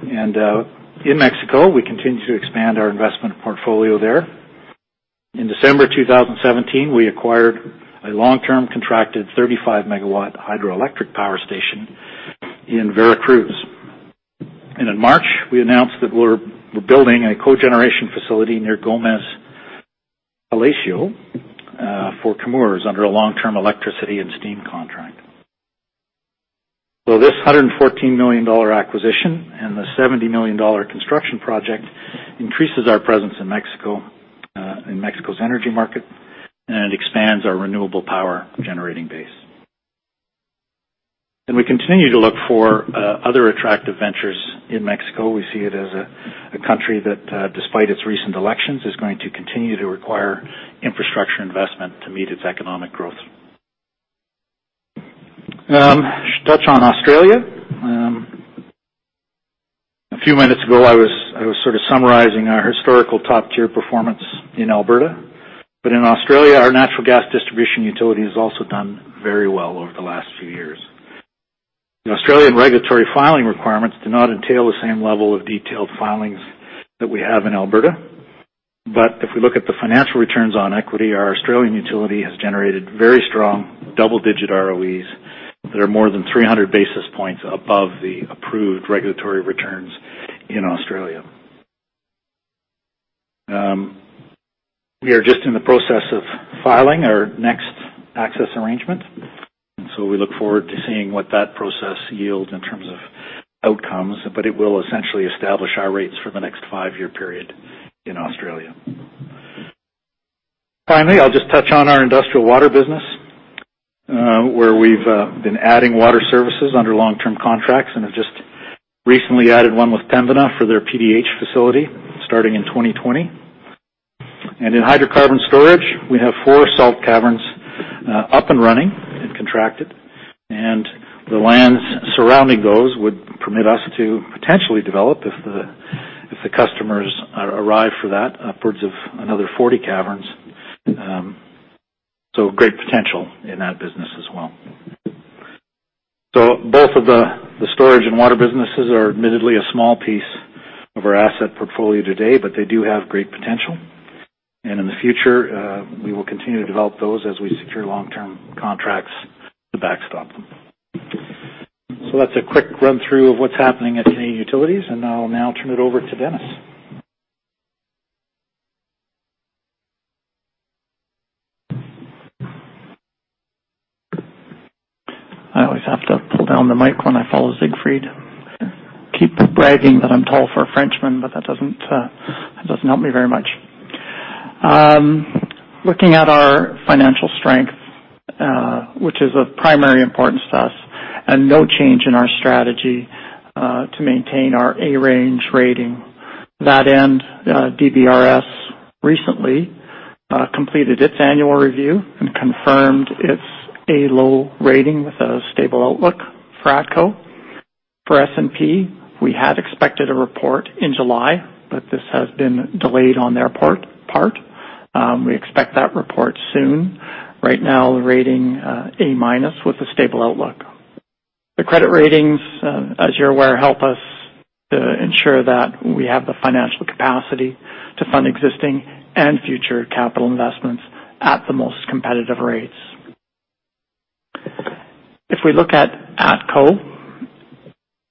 In Mexico, we continue to expand our investment portfolio there. In December 2017, we acquired a long-term contracted 35 MW hydroelectric power station in Veracruz. In March, we announced that we're building a cogeneration facility near Gómez Palacio for Chemours under a long-term electricity and steam contract. This 114 million dollar acquisition and the 70 million dollar construction project increases our presence in Mexico's energy market. It expands our renewable power generating base. We continue to look for other attractive ventures in Mexico. We see it as a country that, despite its recent elections, is going to continue to require infrastructure investment to meet its economic growth. I should touch on Australia. A few minutes ago, I was sort of summarizing our historical top-tier performance in Alberta. In Australia, our natural gas distribution utility has also done very well over the last few years. The Australian regulatory filing requirements do not entail the same level of detailed filings that we have in Alberta. If we look at the financial returns on equity, our Australian utility has generated very strong double-digit ROEs that are more than 300 basis points above the approved regulatory returns in Australia. We are just in the process of filing our next access arrangement. We look forward to seeing what that process yields in terms of outcomes, but it will essentially establish our rates for the next five-year period in Australia. Finally, I'll just touch on our industrial water business, where we've been adding water services under long-term contracts and have just recently added one with Pembina for their PDH facility starting in 2020. In hydrocarbon storage, we have four salt caverns up and running and contracted, and the lands surrounding those would permit us to potentially develop, if the customers arrive for that, upwards of another 40 caverns. Great potential in that business as well. Both of the storage and water businesses are admittedly a small piece of our asset portfolio today, but they do have great potential. In the future, we will continue to develop those as we secure long-term contracts to backstop them. That's a quick run-through of what's happening at Canadian Utilities, and I'll now turn it over to Dennis. I always have to pull down the mic when I follow Siegfried. Keep bragging that I'm tall for a Frenchman, but that doesn't help me very much. Looking at our financial strength, which is of primary importance to us, no change in our strategy to maintain our A-range rating. To that end, DBRS recently completed its annual review and confirmed its A low rating with a stable outlook for ATCO. For S&P, we had expected a report in July, but this has been delayed on their part. We expect that report soon. Right now, rating A- with a stable outlook. The credit ratings, as you're aware, help us to ensure that we have the financial capacity to fund existing and future capital investments at the most competitive rates. If we look at ATCO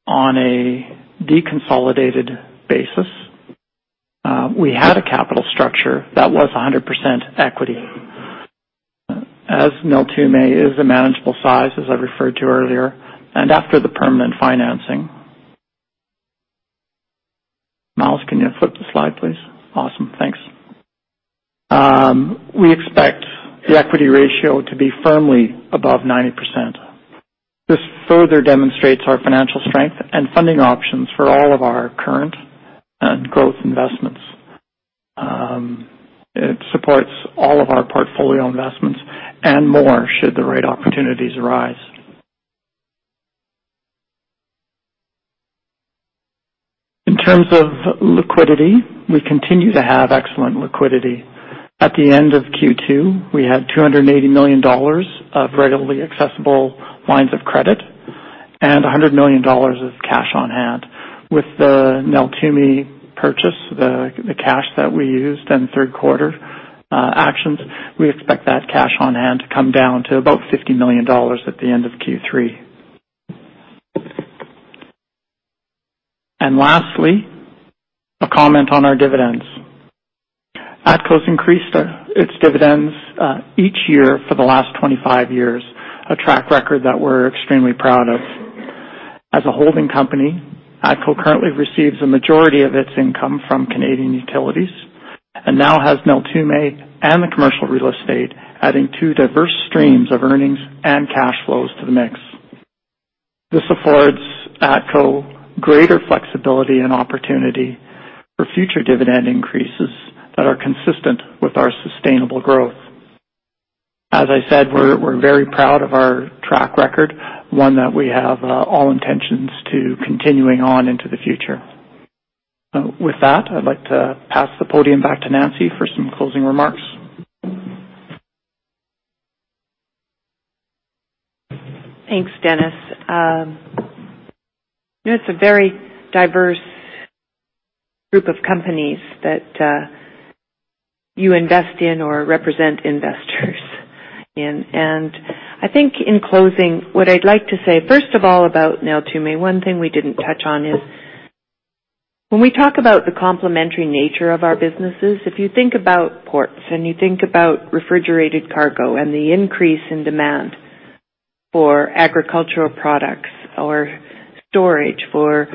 on a deconsolidated basis, we had a capital structure that was 100% equity. As Neltume is a manageable size, as I referred to earlier, and after the permanent financing, Myles, can you flip the slide, please? Awesome. Thanks. We expect the equity ratio to be firmly above 90%. This further demonstrates our financial strength and funding options for all of our current and growth investments. It supports all of our portfolio investments and more should the right opportunities arise. In terms of liquidity, we continue to have excellent liquidity. At the end of Q2, we had 280 million dollars of readily accessible lines of credit and 100 million dollars of cash on hand. With the Neltume purchase, the cash that we used in the third quarter actions, we expect that cash on hand to come down to about 50 million dollars at the end of Q3. Lastly, a comment on our dividends. ATCO's increased its dividends each year for the last 25 years, a track record that we're extremely proud of. As a holding company, ATCO currently receives a majority of its income from Canadian Utilities and now has Neltume and the commercial real estate, adding two diverse streams of earnings and cash flows to the mix. This affords ATCO greater flexibility and opportunity for future dividend increases that are consistent with our sustainable growth. As I said, we're very proud of our track record, one that we have all intentions to continuing on into the future. With that, I'd like to pass the podium back to Nancy for some closing remarks. Thanks, Dennis. It's a very diverse group of companies that you invest in or represent investors in. I think in closing, what I'd like to say, first of all, about Neltume, one thing we didn't touch on is when we talk about the complementary nature of our businesses, if you think about ports and you think about refrigerated cargo and the increase in demand for agricultural products or storage for,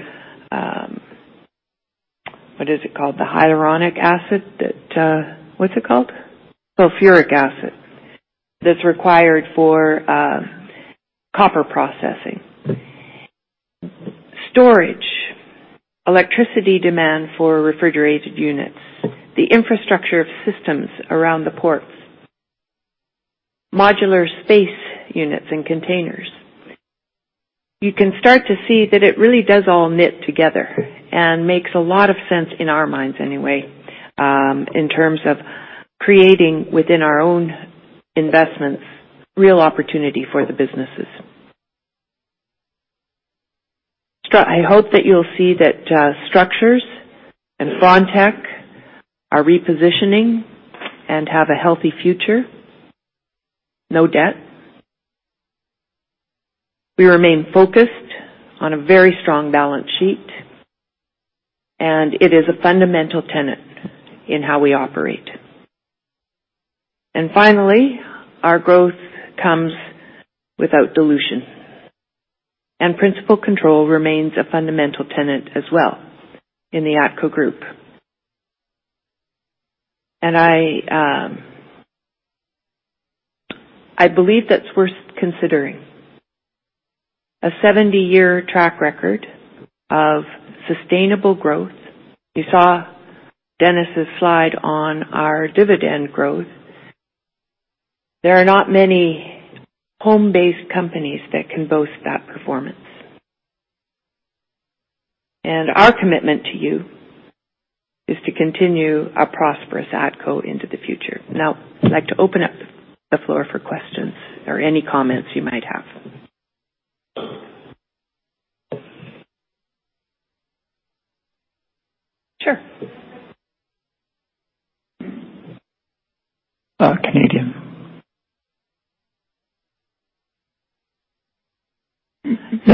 what is it called? The hyaluronic acid that What's it called? Sulfuric acid that's required for copper processing. Storage, electricity demand for refrigerated units, the infrastructure of systems around the ports, modular space units and containers. You can start to see that it really does all knit together and makes a lot of sense in our minds anyway, in terms of creating within our own investments, real opportunity for the businesses. I hope that you'll see that Structures and Frontec are repositioning and have a healthy future. No debt. We remain focused on a very strong balance sheet, and it is a fundamental tenet in how we operate. Finally, our growth comes without dilution, and principal control remains a fundamental tenet as well in the ATCO group. I believe that's worth considering. A 70-year track record of sustainable growth. You saw Dennis's slide on our dividend growth. There are not many home-based companies that can boast that performance. Our commitment to you is to continue a prosperous ATCO into the future. Now, I'd like to open up the floor for questions or any comments you might have.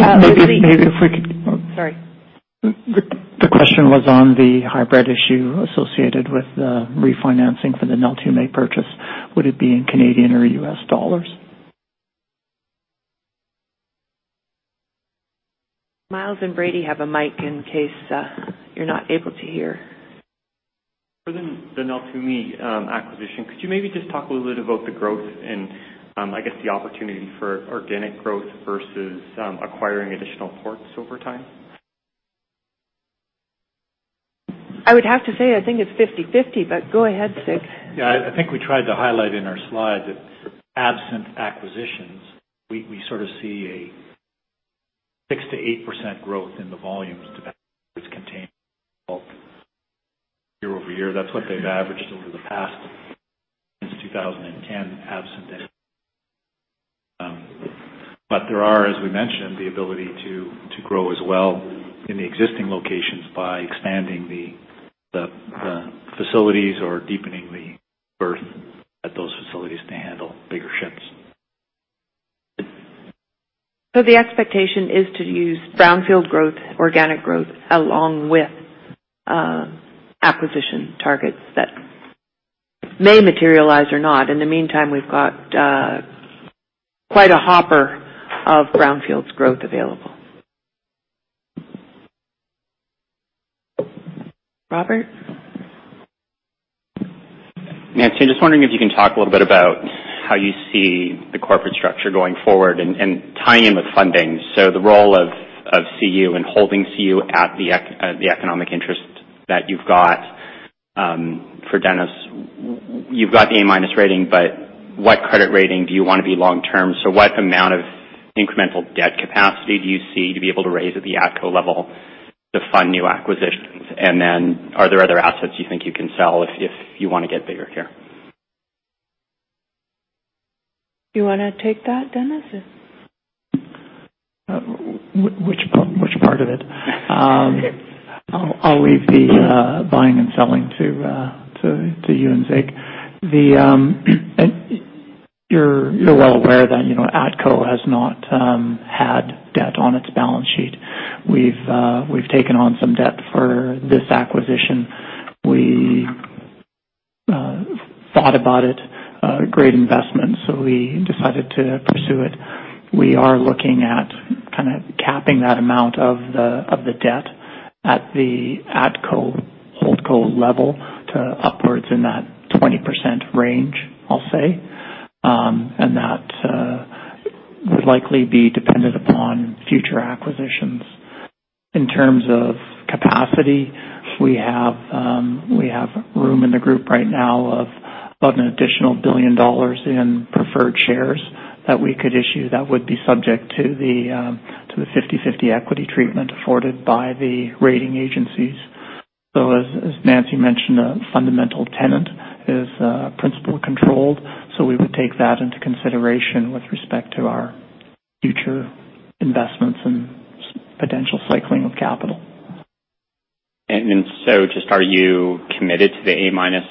Sure. Canadian. Sorry. The question was on the hybrid issue associated with the refinancing for the Neltume purchase. Would it be in Canadian or US dollars? Myles and Brady have a mic in case you're not able to hear. For the Neltume acquisition, could you maybe just talk a little bit about the growth and, I guess, the opportunity for organic growth versus acquiring additional ports over time? I would have to say I think it's 50/50. Go ahead, Sig. I think we tried to highlight in our slide that for absent acquisitions, we sort of see a 6%-8% growth in the volumes, depending if it's contained bulk year-over-year. That's what they've averaged over the past, since 2010, absent any. There are, as we mentioned, the ability to grow as well in the existing locations by expanding the facilities or deepening the berth at those facilities to handle bigger ships. The expectation is to use brownfield growth, organic growth, along with acquisition targets that may materialize or not. In the meantime, we've got quite a hopper of brownfields growth available. Robert? Nancy, I'm just wondering if you can talk a little bit about how you see the corporate structure going forward and tying in with funding. The role of CU and holding CU at the economic interest that you've got for Dennis. You've got the A-minus rating, what credit rating do you want to be long term? What amount of incremental debt capacity do you see to be able to raise at the ATCO level to fund new acquisitions? Are there other assets you think you can sell if you want to get bigger here? You want to take that, Dennis? Which part of it? I'll leave the buying and selling to you and Sig. You are well aware that ATCO has not had debt on its balance sheet. We have taken on some debt for this acquisition. We thought about it. Great investment. We decided to pursue it. We are looking at kind of capping that amount of the debt at the ATCO Holdco level to upwards in that 20% range, I will say. That Would likely be dependent upon future acquisitions. In terms of capacity, we have room in the group right now of about an additional 1 billion dollars in preferred shares that we could issue that would be subject to the 50/50 equity treatment afforded by the rating agencies. As Nancy mentioned, a fundamental tenet is principal controlled. We would take that into consideration with respect to our future investments and potential cycling of capital. Just are you committed to the A-minus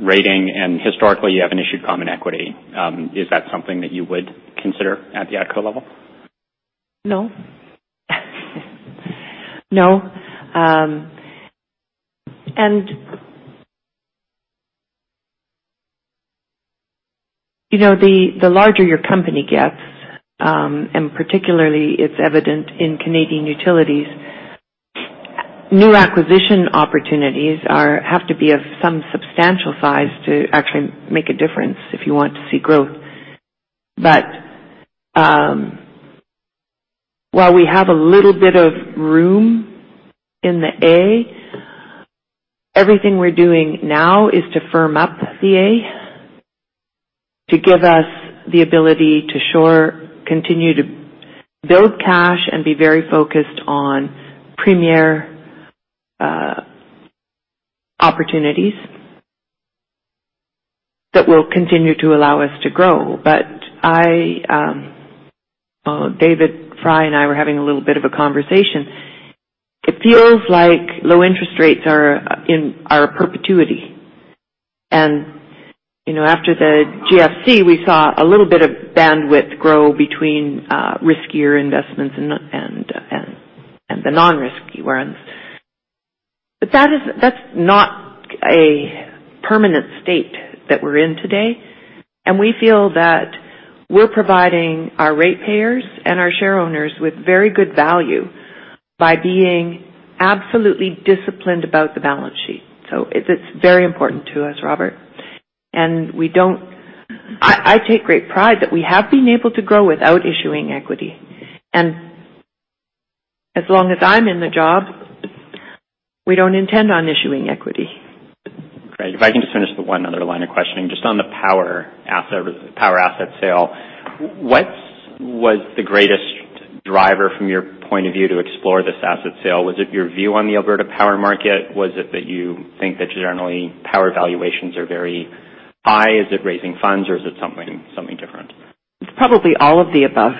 rating? Historically, you have not issued common equity. Is that something that you would consider at the ATCO level? No. No. The larger your company gets, and particularly it is evident in Canadian Utilities, new acquisition opportunities have to be of some substantial size to actually make a difference if you want to see growth. While we have a little bit of room in the A, everything we are doing now is to firm up the A to give us the ability to continue to build cash and be very focused on premier opportunities that will continue to allow us to grow. David Fry and I were having a little bit of a conversation. It feels like low interest rates are in our perpetuity. After the GFC, we saw a little bit of bandwidth grow between riskier investments and the non-risky ones. That's not a permanent state that we're in today, and we feel that we're providing our ratepayers and our shareowners with very good value by being absolutely disciplined about the balance sheet. It's very important to us, Robert, and I take great pride that we have been able to grow without issuing equity. As long as I'm in the job, we don't intend on issuing equity. Great. If I can just finish the one other line of questioning, just on the power asset sale. What was the greatest driver from your point of view to explore this asset sale? Was it your view on the Alberta power market? Was it that you think that generally power valuations are very high? Is it raising funds or is it something different? It's probably all of the above.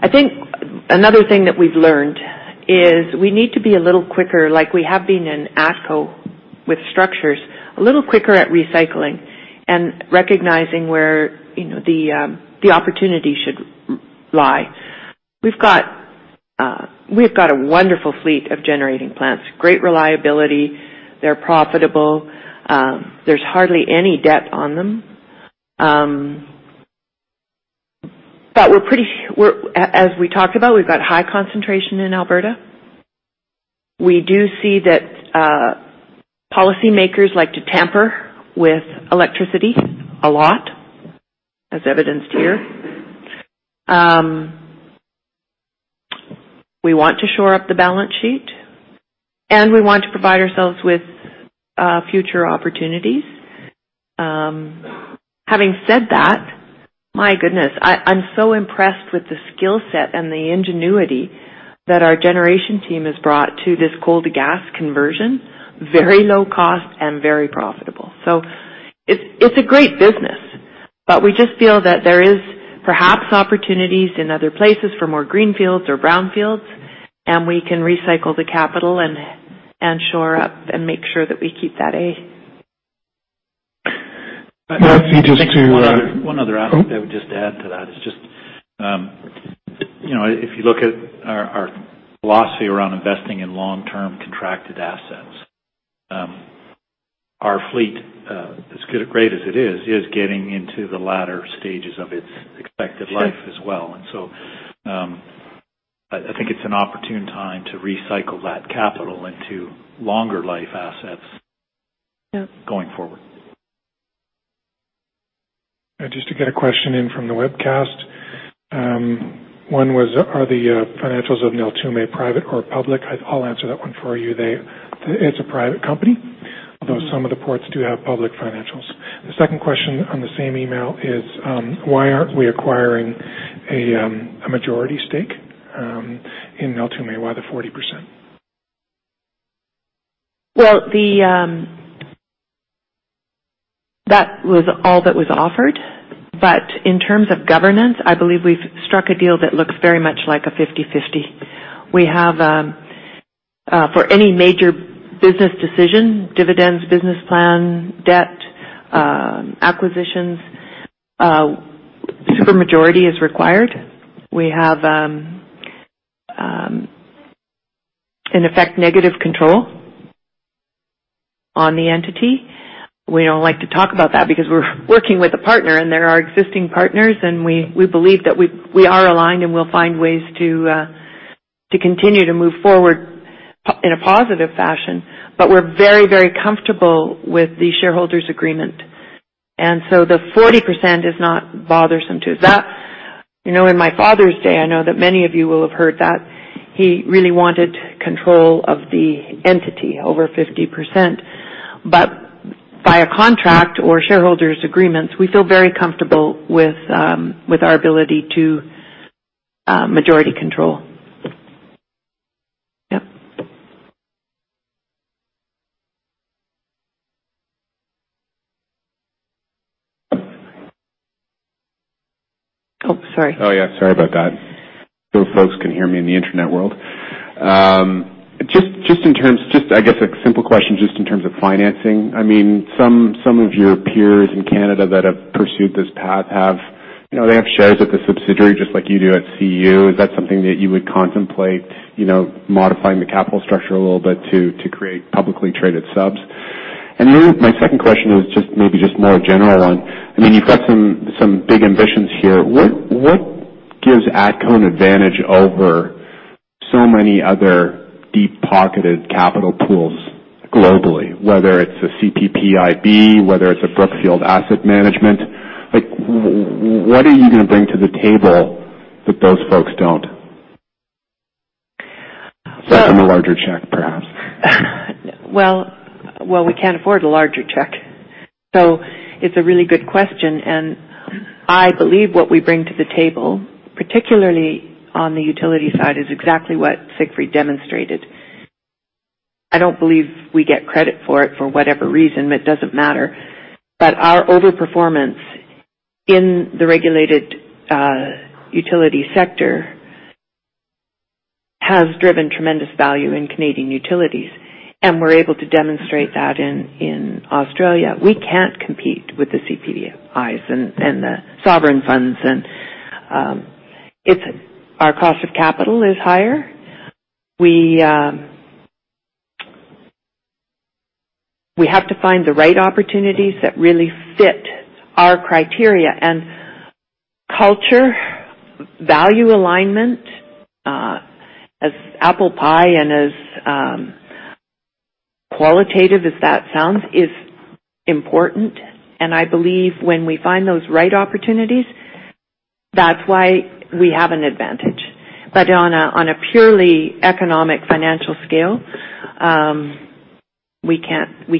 I think another thing that we've learned is we need to be a little quicker, like we have been in ATCO with structures, a little quicker at recycling and recognizing where the opportunity should lie. We've got a wonderful fleet of generating plants, great reliability. They're profitable. There's hardly any debt on them. As we talked about, we've got high concentration in Alberta. We do see that policymakers like to tamper with electricity a lot, as evidenced here. We want to shore up the balance sheet, and we want to provide ourselves with future opportunities. Having said that, my goodness, I'm so impressed with the skill set and the ingenuity that our generation team has brought to this coal to gas conversion. Very low cost and very profitable. It's a great business. We just feel that there is perhaps opportunities in other places for more greenfields or brownfields, and we can recycle the capital and shore up and make sure that we keep that A. Nancy, One other aspect I would just add to that is just if you look at our philosophy around investing in long-term contracted assets. Our fleet, as great as it is getting into the latter stages of its expected life as well. I think it's an opportune time to recycle that capital into longer life assets going forward. Just to get a question in from the webcast. One was, are the financials of Neltume private or public? I'll answer that one for you. It's a private company, although some of the ports do have public financials. The second question on the same email is, why aren't we acquiring a majority stake in Neltume? Why the 40%? Well, that was all that was offered. In terms of governance, I believe we've struck a deal that looks very much like a 50/50. For any major business decision, dividends, business plan, debt, acquisitions, super majority is required. We have, in effect, negative control on the entity. We don't like to talk about that because we're working with a partner, and there are existing partners, and we believe that we are aligned, and we'll find ways to continue to move forward in a positive fashion. We're very, very comfortable with the shareholders agreement, and so the 40% is not bothersome to us. In my father's day, I know that many of you will have heard that he really wanted control of the entity over 50%, but via contract or shareholders agreements, we feel very comfortable with our ability to majority control. Yep. Oh, sorry. Oh, yeah. Sorry about that. Folks can hear me in the internet world. I guess, a simple question in terms of financing. Some of your peers in Canada that have pursued this path have shares at the subsidiary, just like you do at CU. Is that something that you would contemplate, modifying the capital structure a little bit to create publicly traded subs? My second question is maybe just a more general one. You've got some big ambitions here. What gives ATCO an advantage over so many other deep-pocketed capital pools globally, whether it's a CPPIB, whether it's a Brookfield Asset Management? What are you going to bring to the table that those folks don't? Well- Other than a larger check, perhaps. Well, we can't afford a larger check. It's a really good question, and I believe what we bring to the table, particularly on the utility side, is exactly what Siegfried demonstrated. I don't believe we get credit for it, for whatever reason, but it doesn't matter. Our over-performance in the regulated utility sector has driven tremendous value in Canadian Utilities, and we're able to demonstrate that in Australia. We can't compete with the CPPIB and the sovereign funds. Our cost of capital is higher. We have to find the right opportunities that really fit our criteria, and culture, value alignment, as apple pie and as qualitative as that sounds, is important. I believe when we find those right opportunities, that's why we have an advantage. On a purely economic, financial scale, we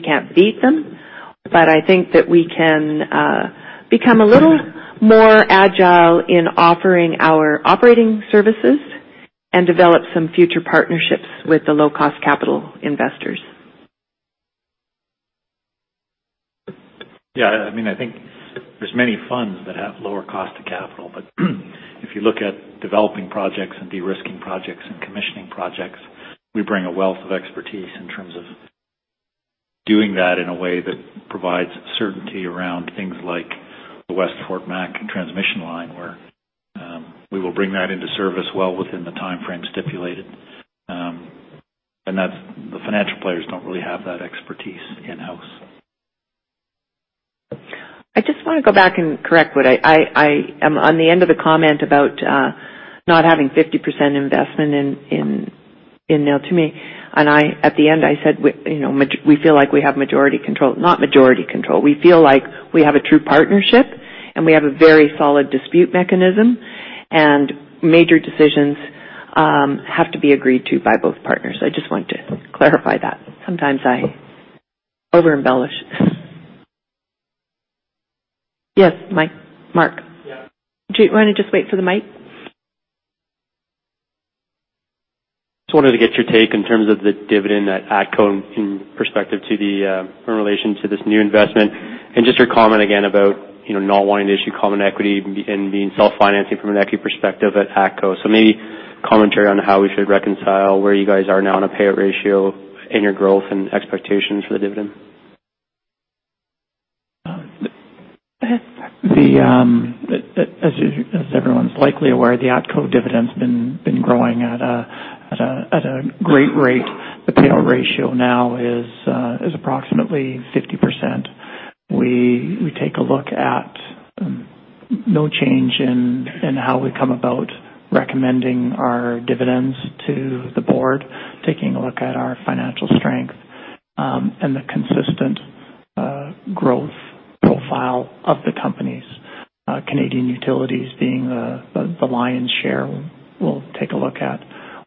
can't beat them, but I think that we can become a little more agile in offering our operating services and develop some future partnerships with the low-cost capital investors. Yeah. I think there's many funds that have lower cost of capital, if you look at developing projects and de-risking projects and commissioning projects, we bring a wealth of expertise in terms of doing that in a way that provides certainty around things like the West Fort McMurray transmission line, where we will bring that into service well within the timeframe stipulated. The financial players don't really have that expertise in-house. I just want to go back and correct on the end of the comment about not having 50% investment in Neltume. At the end, I said we feel like we have majority control. Not majority control. We feel like we have a true partnership, and we have a very solid dispute mechanism, and major decisions have to be agreed to by both partners. I just want to clarify that. Sometimes I over-embellish. Yes, Mark. Yeah. Do you want to just wait for the mic? Just wanted to get your take in terms of the dividend at ATCO in relation to this new investment and just your comment again about not wanting to issue common equity and being self-financing from an equity perspective at ATCO. Maybe commentary on how we should reconcile where you guys are now on a payout ratio in your growth and expectations for the dividend. As everyone's likely aware, the ATCO dividend's been growing at a great rate. The payout ratio now is approximately 50%. We take a look at no change in how we come about recommending our dividends to the board, taking a look at our financial strength, and the consistent growth profile of the companies, Canadian Utilities being the lion's share. We'll take a look at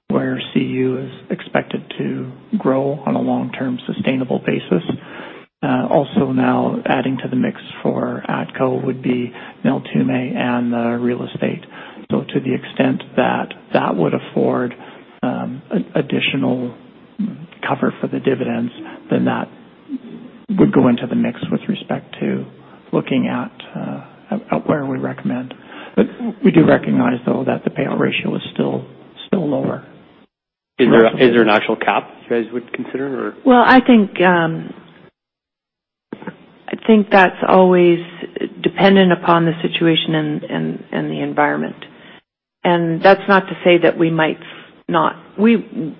where CU is expected to grow on a long-term, sustainable basis. Also now adding to the mix for ATCO would be Neltume and the real estate. To the extent that that would afford additional cover for the dividends, then that would go into the mix with respect to looking at where we recommend. We do recognize, though, that the payout ratio is still lower. Is there an actual cap you guys would consider or? Well, I think that's always dependent upon the situation and the environment. That's not to say that we might not. We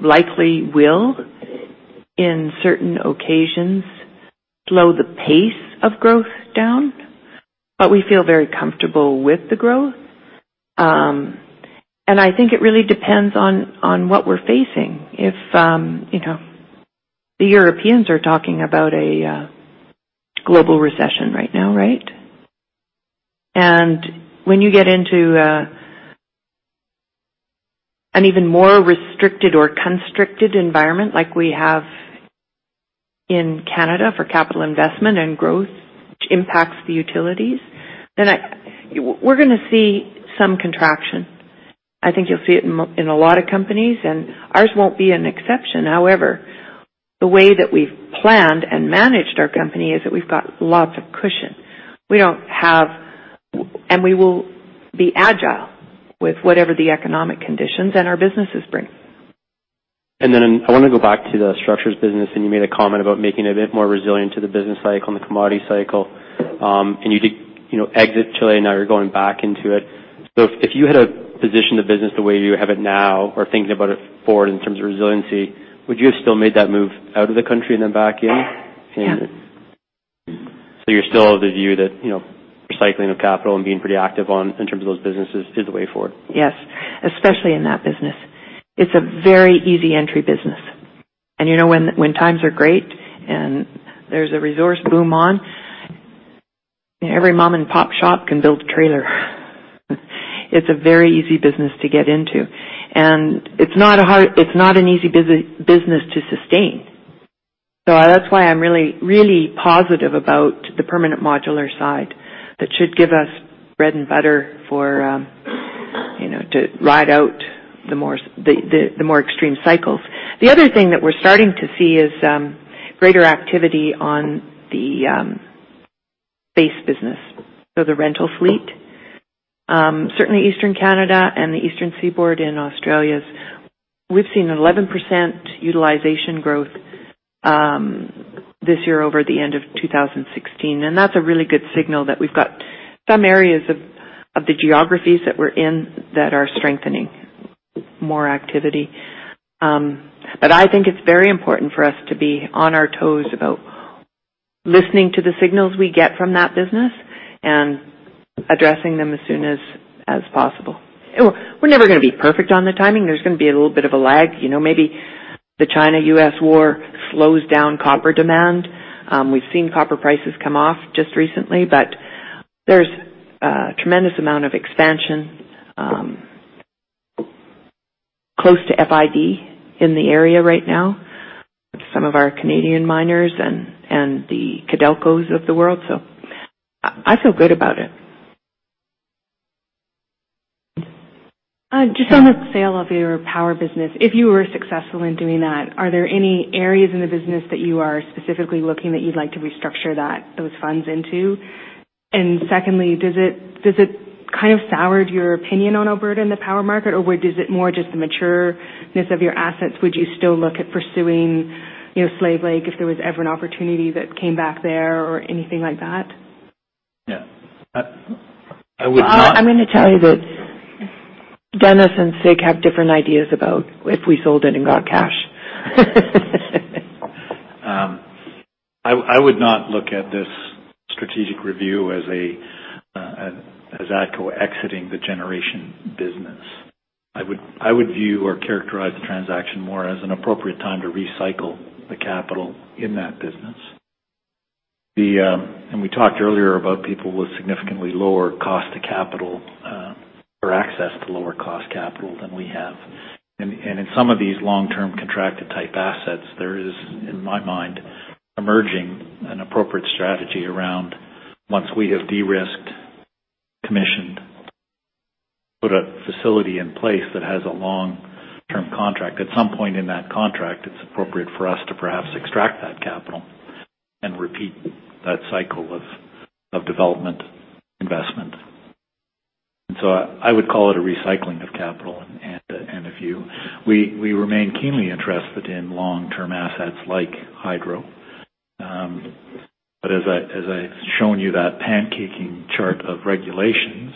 likely will In certain occasions, slow the pace of growth down. We feel very comfortable with the growth. I think it really depends on what we're facing. The Europeans are talking about a global recession right now, right? When you get into an even more restricted or constricted environment like we have in Canada for capital investment and growth, which impacts the utilities, then we're going to see some contraction. I think you'll see it in a lot of companies, and ours won't be an exception. However, the way that we've planned and managed our company is that we've got lots of cushion. We will be agile with whatever the economic conditions and our businesses bring. Then I want to go back to the structures business, and you made a comment about making it a bit more resilient to the business cycle and the commodity cycle. You did exit Chile, now you're going back into it. If you had to position the business the way you have it now or thinking about it forward in terms of resiliency, would you have still made that move out of the country and then back in? Yeah. You're still of the view that recycling of capital and being pretty active on, in terms of those businesses, is the way forward? Yes. Especially in that business. It's a very easy entry business. When times are great and there's a resource boom on, every mom-and-pop shop can build a trailer. It's a very easy business to get into. It's not an easy business to sustain. That's why I'm really positive about the permanent modular side that should give us bread and butter to ride out the more extreme cycles. The other thing that we're starting to see is greater activity on the base business. The rental fleet. Certainly Eastern Canada and the eastern seaboard in Australia. We've seen an 11% utilization growth this year over the end of 2016. That's a really good signal that we've got some areas of the geographies that we're in that are strengthening. More activity. I think it's very important for us to be on our toes about listening to the signals we get from that business and addressing them as soon as possible. We're never going to be perfect on the timing. There's going to be a little bit of a lag. Maybe the China-U.S. war slows down copper demand. We've seen copper prices come off just recently, there's a tremendous amount of expansion close to FID in the area right now with some of our Canadian miners and the Codelco of the world. I feel good about it. Just on the sale of your power business, if you were successful in doing that, are there any areas in the business that you are specifically looking that you'd like to restructure those funds into? Secondly, does it kind of soured your opinion on Alberta and the power market, or is it more just the matureness of your assets? Would you still look at pursuing Slave Lake if there was ever an opportunity that came back there or anything like that? Yeah. I would not- I'm going to tell you that Dennis and Sig have different ideas about if we sold it and got cash. I would not look at this strategic review as ATCO exiting the generation business. I would view or characterize the transaction more as an appropriate time to recycle the capital in that business. We talked earlier about people with significantly lower cost to capital or access to lower cost capital than we have. In some of these long-term contracted-type assets, there is, in my mind, emerging an appropriate strategy around once we have de-risked, commissioned, put a facility in place that has a long-term contract. At some point in that contract, it's appropriate for us to perhaps extract that capital and repeat that cycle of development investment. So I would call it a recycling of capital. We remain keenly interested in long-term assets like hydro. As I've shown you that pancaking chart of regulations,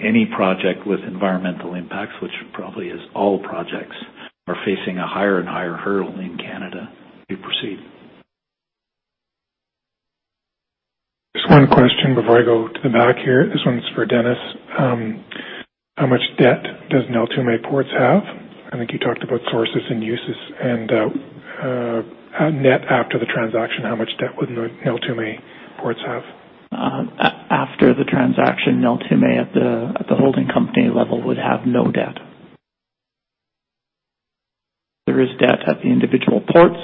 any project with environmental impacts, which probably is all projects, are facing a higher and higher hurdle in Canada to proceed. Just one question before I go to the back here. This one's for Dennis. How much debt does Neltume Ports have? I think you talked about sources and uses and net after the transaction, how much debt would Neltume Ports have? After the transaction, Neltume at the holding company level would have no debt. There is debt at the individual ports.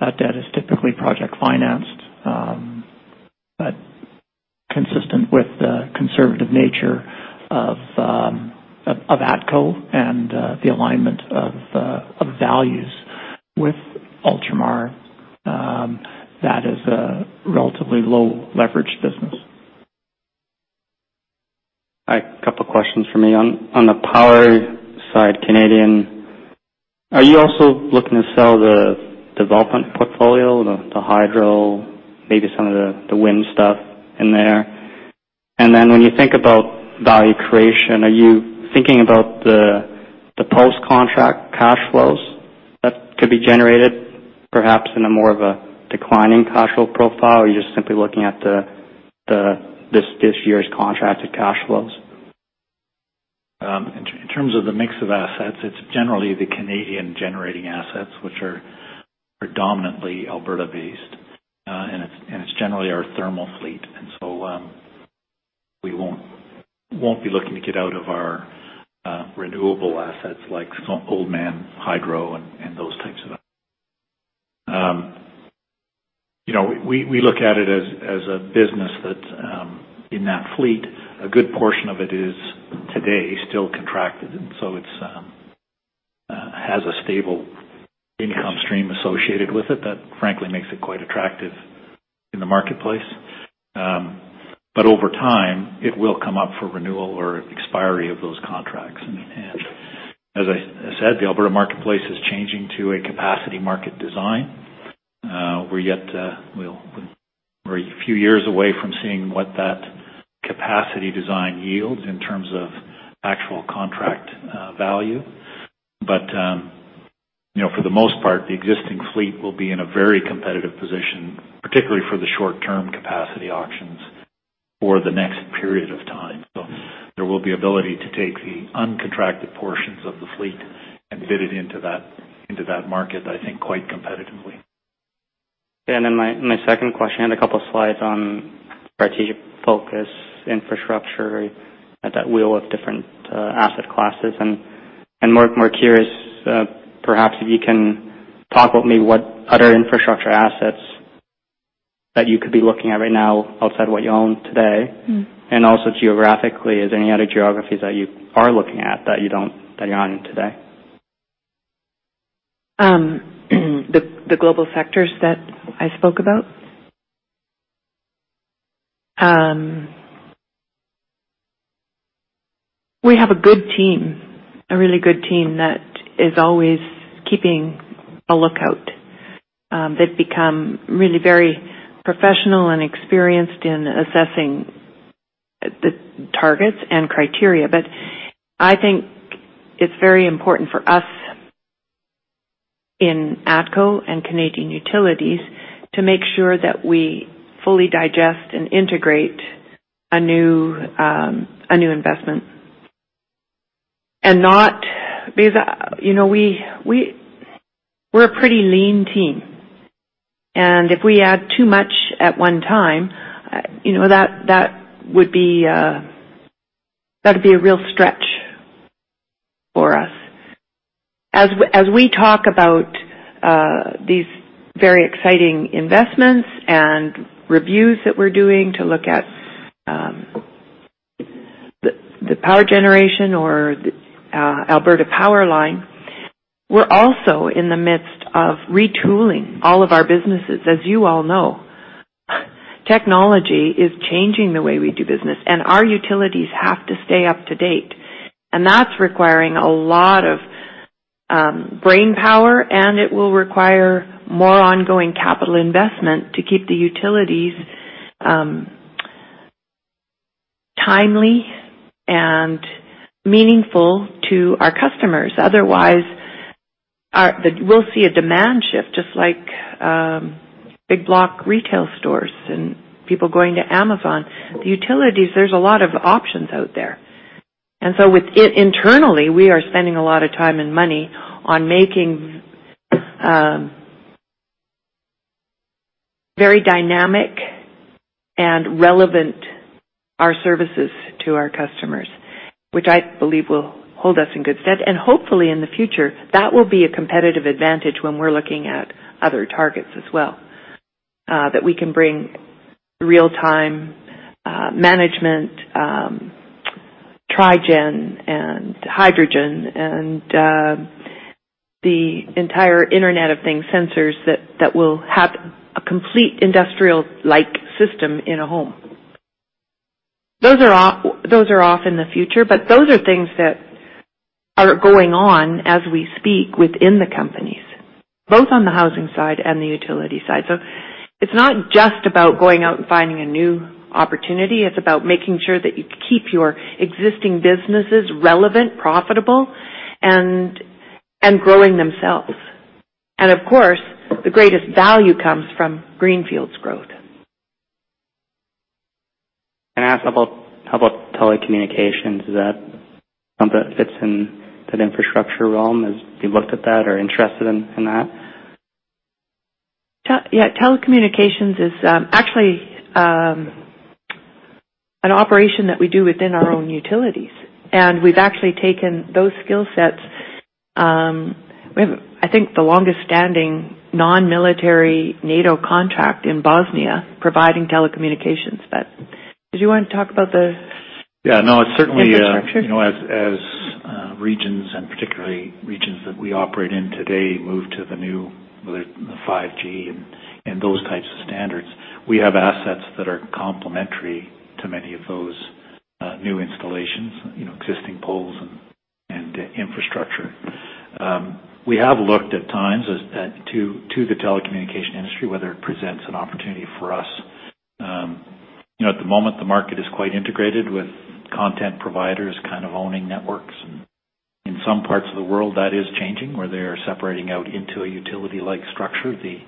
That debt is typically project financed, but consistent with the conservative nature of ATCO and the alignment of values with Ultramar. That is a relatively low-leverage business. A couple of questions from me. On the power side, Canadian, are you also looking to sell the development portfolio, the hydro, maybe some of the wind stuff in there? When you think about value creation, are you thinking about the post-contract cash flows that could be generated, perhaps in a more of a declining cash flow profile? Or are you just simply looking at this year's contracted cash flows? In terms of the mix of assets, it is generally the Canadian generating assets, which are predominantly Alberta-based. It is generally our thermal fleet. So, we will not be looking to get out of our renewable assets like Oldman Hydro and those types of assets. We look at it as a business that, in that fleet, a good portion of it is today still contracted. So it has a stable income stream associated with it that frankly makes it quite attractive in the marketplace. Over time, it will come up for renewal or expiry of those contracts. As I said, the Alberta marketplace is changing to a capacity market design. We are a few years away from seeing what that capacity design yields in terms of actual contract value. For the most part, the existing fleet will be in a very competitive position, particularly for the short-term capacity auctions for the next period of time. There will be ability to take the uncontracted portions of the fleet and bid it into that market, I think, quite competitively. My second question, you had a couple of slides on strategic focus, infrastructure at that wheel of different asset classes, I am more curious, perhaps if you can talk with me what other infrastructure assets that you could be looking at right now outside what you own today. Also geographically, is there any other geographies that you are looking at that you are not in today? The global sectors that I spoke about. We have a good team, a really good team that is always keeping a lookout. They've become really very professional and experienced in assessing the targets and criteria. I think it's very important for us in ATCO and Canadian Utilities to make sure that we fully digest and integrate a new investment. We're a pretty lean team, and if we add too much at one time, that'd be a real stretch for us. As we talk about these very exciting investments and reviews that we're doing to look at the power generation or Alberta PowerLine, we're also in the midst of retooling all of our businesses. As you all know, technology is changing the way we do business, and our utilities have to stay up to date. That's requiring a lot of brainpower, and it will require more ongoing capital investment to keep the utilities timely and meaningful to our customers. Otherwise, we'll see a demand shift, just like big block retail stores and people going to Amazon. Utilities, there's a lot of options out there. Internally, we are spending a lot of time and money on making very dynamic and relevant our services to our customers, which I believe will hold us in good stead. Hopefully, in the future, that will be a competitive advantage when we're looking at other targets as well. That we can bring real-time management, trigen and hydrogen and the entire Internet of Things sensors that will have a complete industrial-like system in a home. Those are off in the future, those are things that are going on as we speak within the companies, both on the housing side and the utility side. It's not just about going out and finding a new opportunity, it's about making sure that you keep your existing businesses relevant, profitable, and growing themselves. Of course, the greatest value comes from greenfields growth. Can I ask about telecommunications? Is that something that fits in that infrastructure realm? Have you looked at that or interested in that? Yeah. Telecommunications is actually an operation that we do within our own utilities, and we've actually taken those skill sets. We have, I think, the longest-standing non-military NATO contract in Bosnia providing telecommunications. Did you want to talk about the- Yeah, no. Certainly- infrastructure? as regions, and particularly regions that we operate in today, move to the new, whether it's the 5G and those types of standards, we have assets that are complementary to many of those new installations, existing poles and infrastructure. We have looked at times to the telecommunication industry, whether it presents an opportunity for us. At the moment, the market is quite integrated with content providers kind of owning networks. In some parts of the world, that is changing, where they are separating out into a utility-like structure, the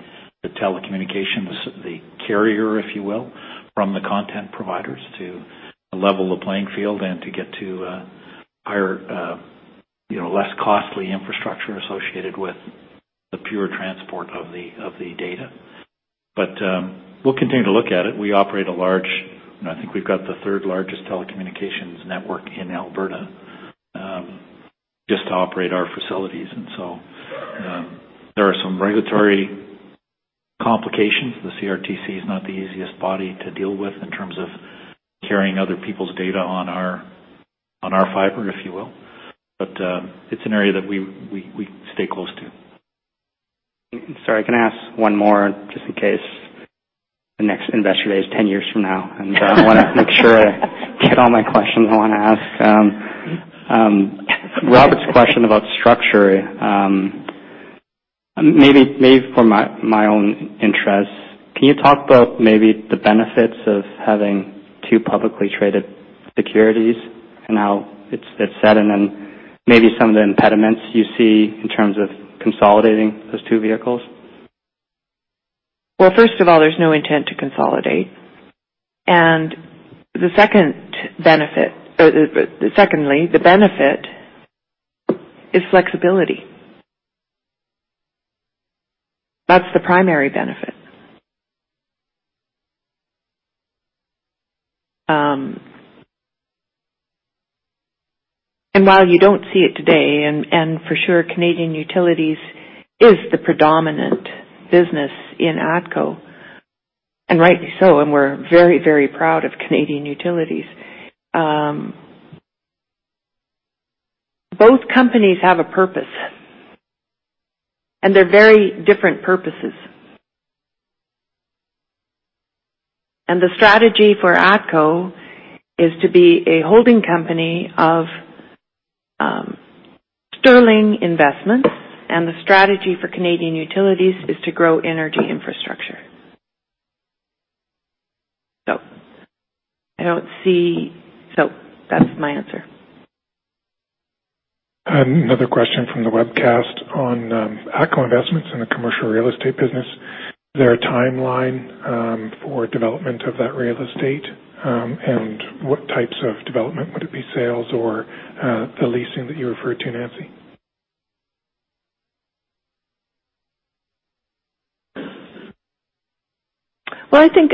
telecommunications, the carrier, if you will, from the content providers to level the playing field and to get to less costly infrastructure associated with the pure transport of the data. We'll continue to look at it. We operate a large, and I think we've got the third largest telecommunications network in Alberta, just to operate our facilities. There are some regulatory complications. The CRTC is not the easiest body to deal with in terms of carrying other people's data on our fiber, if you will. It's an area that we stay close to. Sorry, can I ask one more just in case the next Investor Day is 10 years from now? I want to make sure I get all my questions I want to ask. Robert's question about structure, maybe for my own interests, can you talk about maybe the benefits of having two publicly traded securities and how it's set? Maybe some of the impediments you see in terms of consolidating those two vehicles. Well, first of all, there's no intent to consolidate. Secondly, the benefit is flexibility. That's the primary benefit. While you don't see it today, and for sure Canadian Utilities is the predominant business in ATCO, and rightly so, and we're very proud of Canadian Utilities. Both companies have a purpose, and they're very different purposes. The strategy for ATCO is to be a holding company of sterling investments, and the strategy for Canadian Utilities is to grow energy infrastructure. That's my answer. Another question from the webcast on ATCO Investments and the commercial real estate business. Is there a timeline for development of that real estate? What types of development? Would it be sales or the leasing that you referred to, Nancy? Well, I think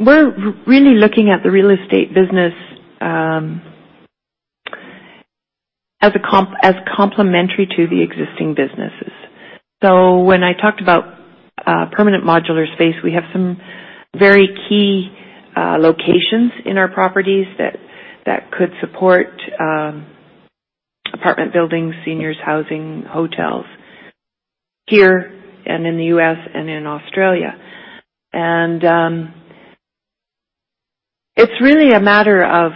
we're really looking at the real estate business as complementary to the existing businesses. When I talked about permanent modular space, we have some very key locations in our properties that could support apartment buildings, seniors housing, hotels, here and in the U.S. and in Australia. It's really a matter of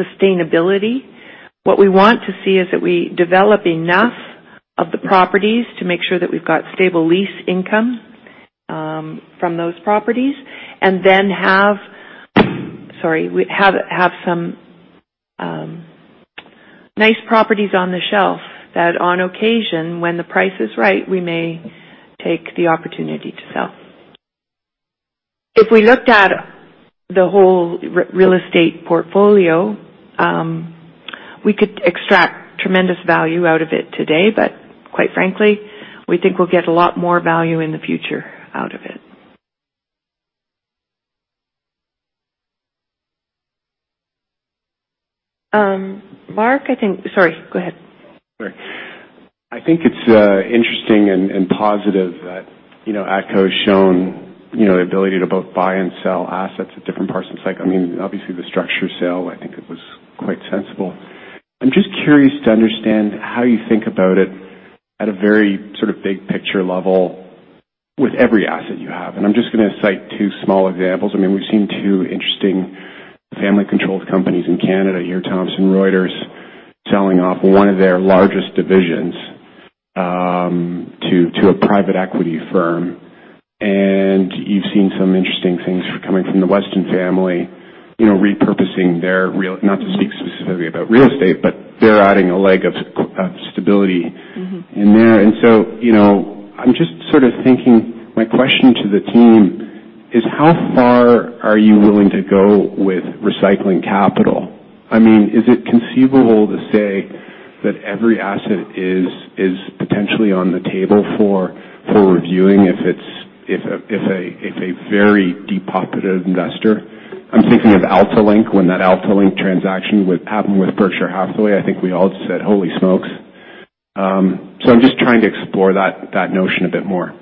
sustainability. What we want to see is that we develop enough of the properties to make sure that we've got stable lease income from those properties and then have some nice properties on the shelf that on occasion, when the price is right, we may take the opportunity to sell. If we looked at the whole real estate portfolio, we could extract tremendous value out of it today, but quite frankly, we think we'll get a lot more value in the future out of it. Mark, Sorry, go ahead. Sorry. I think it's interesting and positive that ATCO's shown the ability to both buy and sell assets at different parts of the cycle. Obviously, the structure sale, I think it was quite sensible. I'm just curious to understand how you think about it at a very sort of big picture level with every asset you have. I'm just going to cite two small examples. We've seen two interesting family-controlled companies in Canada. You have Thomson Reuters selling off one of their largest divisions to a private equity firm. You've seen some interesting things coming from the Weston family, repurposing their. Not to speak specifically about real estate, but they're adding a leg of stability in there. I'm just sort of thinking, my question to the team is how far are you willing to go with recycling capital? Is it conceivable to say that every asset is potentially on the table for reviewing if a very deep pocketed investor, I'm thinking of AltaLink, when that AltaLink transaction happened with Berkshire Hathaway, I think we all said, "Holy smokes." I'm just trying to explore that notion a bit more.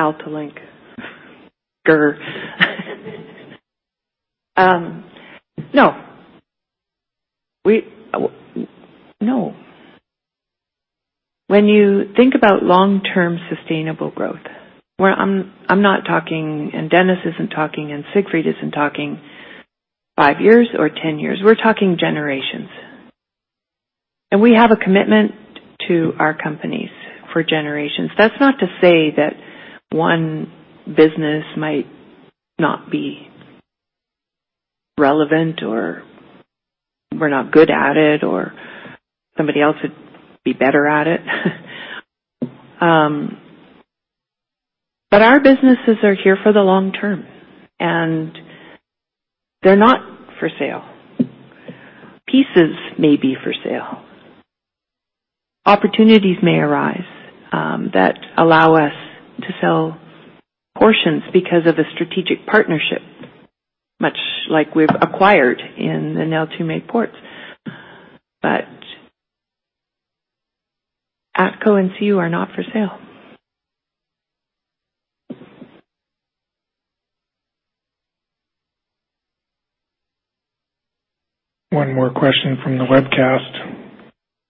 AltaLink. No. When you think about long-term sustainable growth, where I'm not talking, Dennis isn't talking, Siegfried isn't talking five years or 10 years. We're talking generations. We have a commitment to our companies for generations. That's not to say that one business might not be relevant or we're not good at it, or somebody else would be better at it. Our businesses are here for the long term, and they're not for sale. Pieces may be for sale. Opportunities may arise that allow us to sell portions because of a strategic partnership, much like we've acquired in the Neltume Ports. ATCO and CU are not for sale. One more question from the webcast.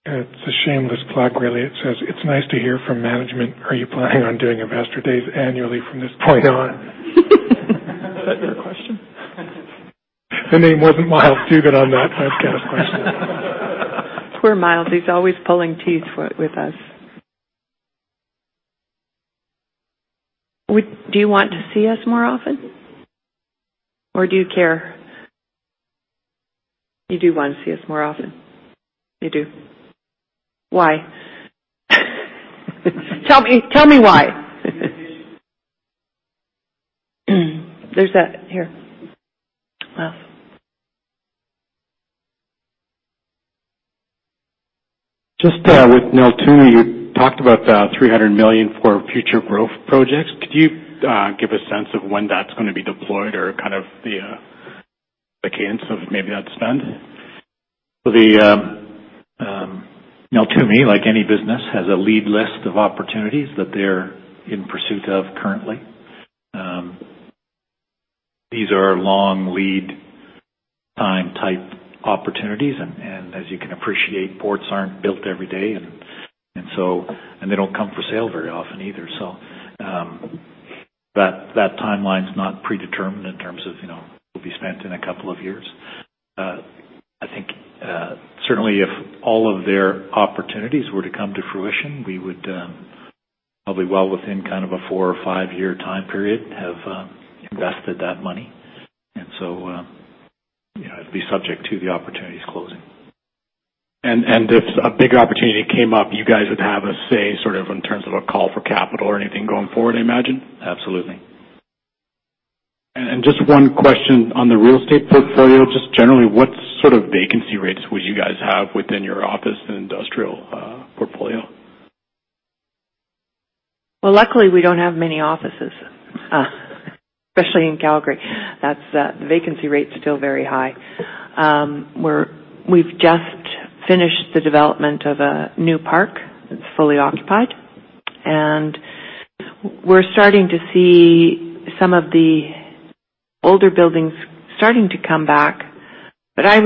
It's a shameless plug, really. It says, "It's nice to hear from management. Are you planning on doing Investor Days annually from this point on?" Is that your question? The name wasn't Myles Dougan on that webcast question. Poor Myles. He's always pulling teeth with us. Do you want to see us more often or do you care? You do want to see us more often. You do. Why? Tell me why. There's that here. Well. Just with Neltume, you talked about 300 million for future growth projects. Could you give a sense of when that's going to be deployed or kind of the cadence of maybe that spend? The Neltume, like any business, has a lead list of opportunities that they're in pursuit of currently. These are long lead time type opportunities, and as you can appreciate, ports aren't built every day, and they don't come for sale very often either. That timeline's not predetermined in terms of, it'll be spent in a couple of years. I think, certainly if all of their opportunities were to come to fruition, we would probably well within kind of a four- or five-year time period have invested that money. It'd be subject to the opportunities closing. If a big opportunity came up, you guys would have a say sort of in terms of a call for capital or anything going forward, I imagine? Absolutely. Just one question on the real estate portfolio. Just generally, what sort of vacancy rates would you guys have within your office and industrial portfolio? Well, luckily, we don't have many offices, especially in Calgary. The vacancy rate's still very high. We've just finished the development of a new park that's fully occupied, and we're starting to see some of the older buildings starting to come back. I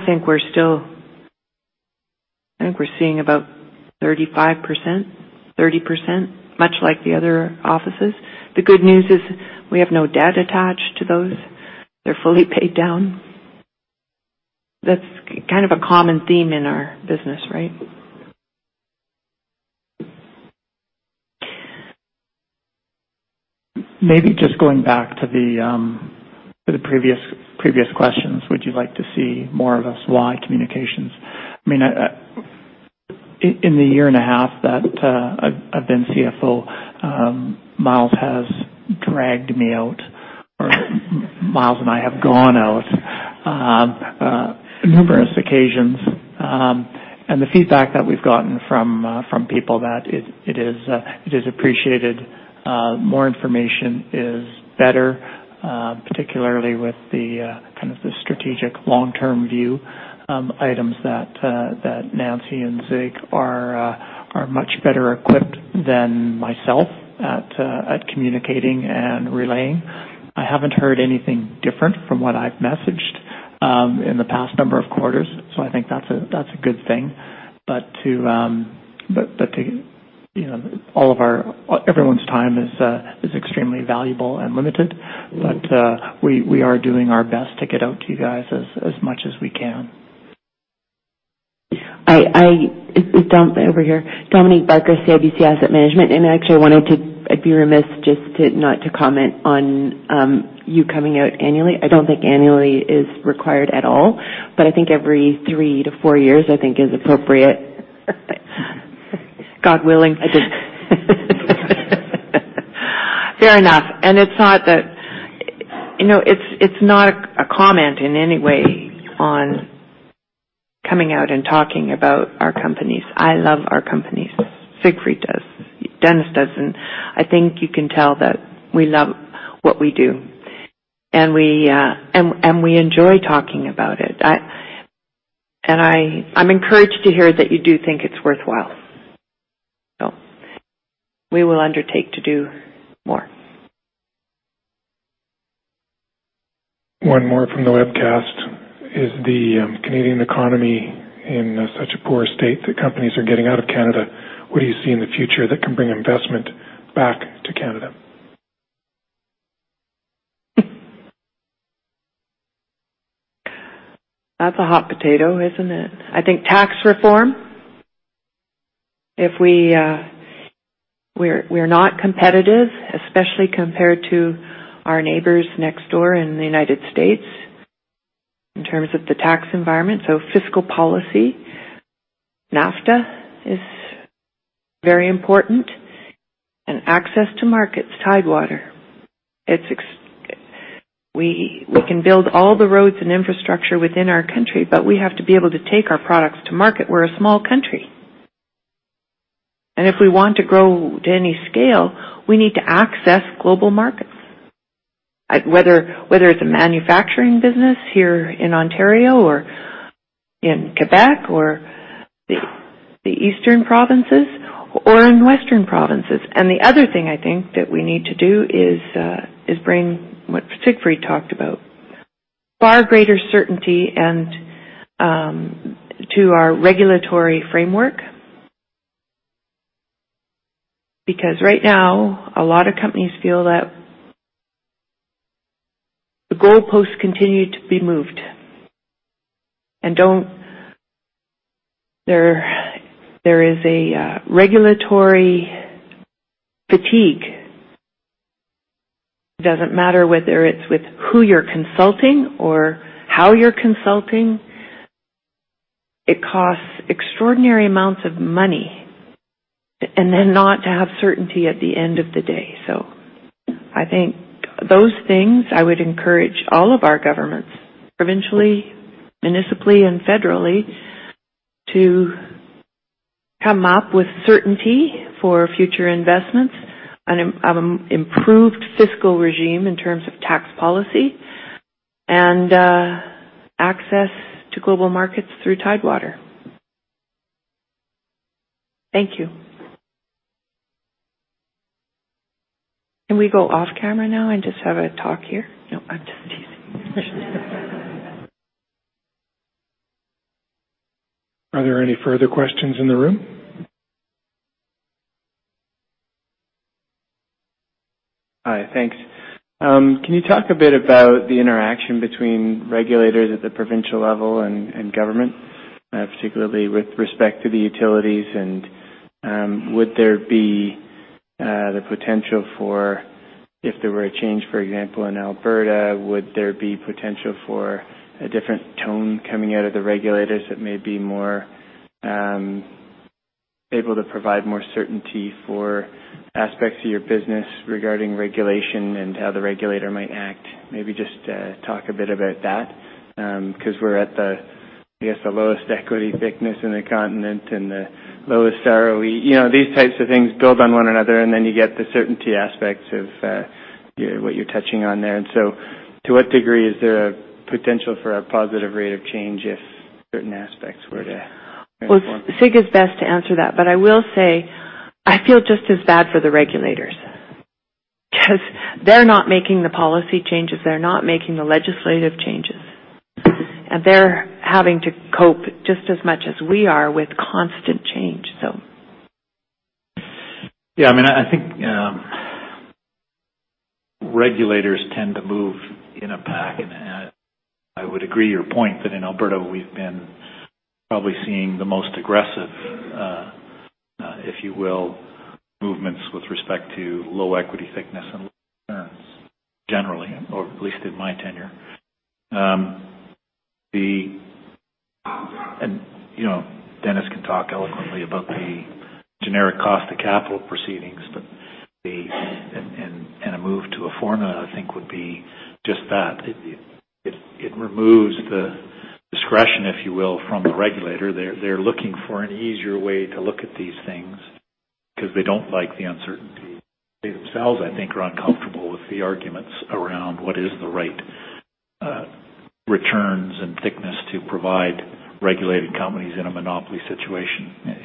think we're seeing about 35%, 30%, much like the other offices. The good news is we have no debt attached to those. They're fully paid down. That's kind of a common theme in our business, right? Maybe just going back to the previous questions. Would you like to see more of us? Why communications? In the year and a half that I've been CFO, Myles has dragged me out or Myles and I have gone out on numerous occasions. The feedback that we've gotten from people that it is appreciated. More information is better, particularly with the kind of the strategic long-term view items that Nancy and Sig are much better equipped than myself at communicating and relaying. I haven't heard anything different from what I've messaged in the past number of quarters, so I think that's a good thing. Everyone's time is extremely valuable and limited. We are doing our best to get out to you guys as much as we can. It's Dom over here, Dominique Barker, CIBC Asset Management. Actually, I'd be remiss just not to comment on you coming out annually. I don't think annually is required at all, but I think every three to four years, I think is appropriate. God willing. I did. Fair enough. It's not a comment in any way on coming out and talking about our companies. I love our companies. Siegfried does. Dennis does, and I think you can tell that we love what we do. We enjoy talking about it. I'm encouraged to hear that you do think it's worthwhile. We will undertake to do more. One more from the webcast. Is the Canadian economy in such a poor state that companies are getting out of Canada? What do you see in the future that can bring investment back to Canada? That's a hot potato, isn't it? I think tax reform. We're not competitive, especially compared to our neighbors next door in the U.S. in terms of the tax environment, so fiscal policy. NAFTA is very important and access to markets. Tidewater. We can build all the roads and infrastructure within our country, but we have to be able to take our products to market. We're a small country, if we want to grow to any scale, we need to access global markets, whether it's a manufacturing business here in Ontario or in Quebec or the eastern provinces or in western provinces. The other thing I think that we need to do is bring what Siegfried talked about, far greater certainty to our regulatory framework. Right now, a lot of companies feel that the goalposts continue to be moved and there is a regulatory fatigue. It doesn't matter whether it's with who you're consulting or how you're consulting, it costs extraordinary amounts of money, not to have certainty at the end of the day. I think those things I would encourage all of our governments, provincially, municipally, and federally, to come up with certainty for future investments and an improved fiscal regime in terms of tax policy and access to global markets through Tidewater. Thank you. Can we go off camera now and just have a talk here? No, I'm just teasing. Are there any further questions in the room? Hi, thanks. Can you talk a bit about the interaction between regulators at the provincial level and government, particularly with respect to the utilities? Would there be the potential for, if there were a change, for example, in Alberta, would there be potential for a different tone coming out of the regulators that may be more able to provide more certainty for aspects of your business regarding regulation and how the regulator might act? Maybe just talk a bit about that. We're at the lowest equity thickness in the continent and the lowest ROE. These types of things build on one another, then you get the certainty aspects of what you're touching on there. To what degree is there a potential for a positive rate of change if certain aspects were to reform? Sieg is best to answer that, but I will say, I feel just as bad for the regulators because they're not making the policy changes. They're not making the legislative changes, they're having to cope just as much as we are with constant change. I think regulators tend to move in a pack, I would agree with your point that in Alberta, we've been probably seeing the most aggressive, if you will, movements with respect to low equity thickness and returns generally, or at least in my tenure. Dennis can talk eloquently about the generic cost of capital proceedings and a move to a formula, I think, would be just that. It removes the discretion, if you will, from the regulator. They're looking for an easier way to look at these things because they don't like the uncertainty. They themselves, I think, are uncomfortable with the arguments around what is the right returns and thickness to provide regulated companies in a monopoly situation.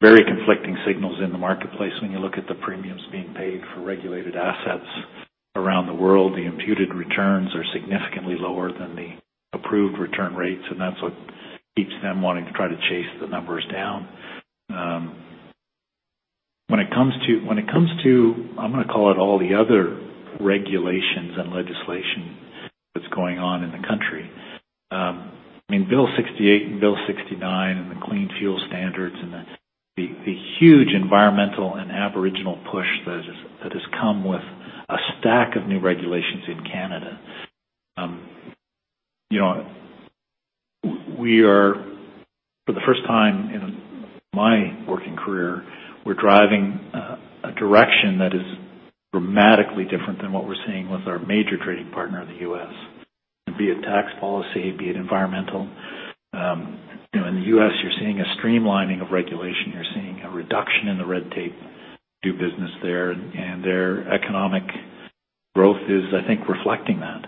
Very conflicting signals in the marketplace when you look at the premiums being paid for regulated assets around the world. The imputed returns are significantly lower than the approved return rates, that's what keeps them wanting to try to chase the numbers down. When it comes to, I'm going to call it all the other regulations and legislation that's going on in the country, Bill C-68 and Bill C-69 and the clean fuel standards and the huge environmental and Aboriginal push that has come with a stack of new regulations in Canada. For the first time in my working career, we're driving a direction that is dramatically different than what we're seeing with our major trading partner, the U.S. Be it tax policy, be it environmental. In the U.S., you're seeing a streamlining of regulation. You're seeing a reduction in the red tape to do business there, their economic growth is, I think, reflecting that.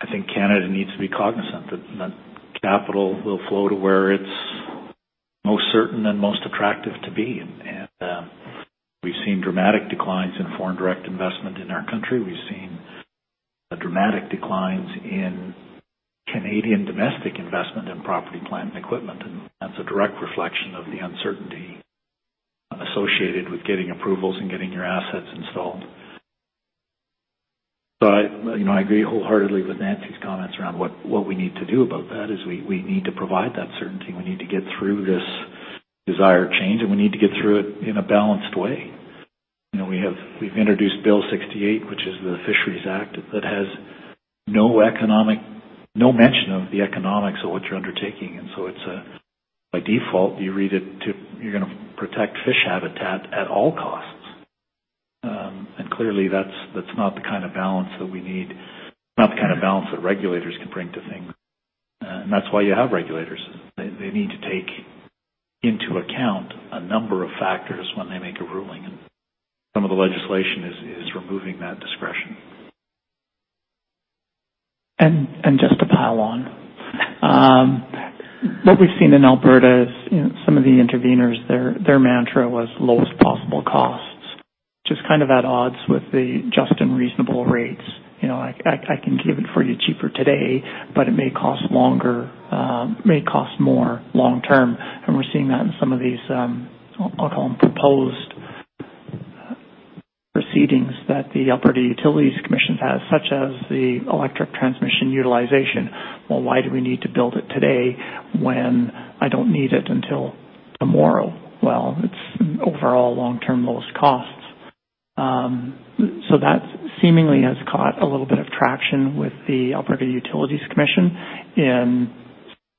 I think Canada needs to be cognizant that capital will flow to where it's most certain and most attractive to be. We've seen dramatic declines in foreign direct investment in our country. We've seen dramatic declines in Canadian domestic investment in property, plant, and equipment, that's a direct reflection of the uncertainty associated with getting approvals and getting your assets installed. I agree wholeheartedly with Nancy's comments around what we need to do about that is we need to provide that certainty. We need to get through this desired change, we need to get through it in a balanced way. We've introduced Bill C-68, which is the Fisheries Act, that has no mention of the economics of what you're undertaking. By default, you read it to you're going to protect fish habitat at all costs. Clearly, that's not the kind of balance that we need. It's not the kind of balance that regulators can bring to things, and that's why you have regulators. They need to take into account a number of factors when they make a ruling, and some of the legislation is removing that discretion. Just to pile on. What we've seen in Alberta is some of the interveners, their mantra was lowest possible costs, just kind of at odds with the just and reasonable rates. I can give it for you cheaper today, but it may cost more long-term. We're seeing that in some of these, I'll call them proposed proceedings that the Alberta Utilities Commission has, such as the electric transmission utilization. Why do we need to build it today when I don't need it until tomorrow? It's overall long-term lowest costs. That seemingly has caught a little bit of traction with the Alberta Utilities Commission in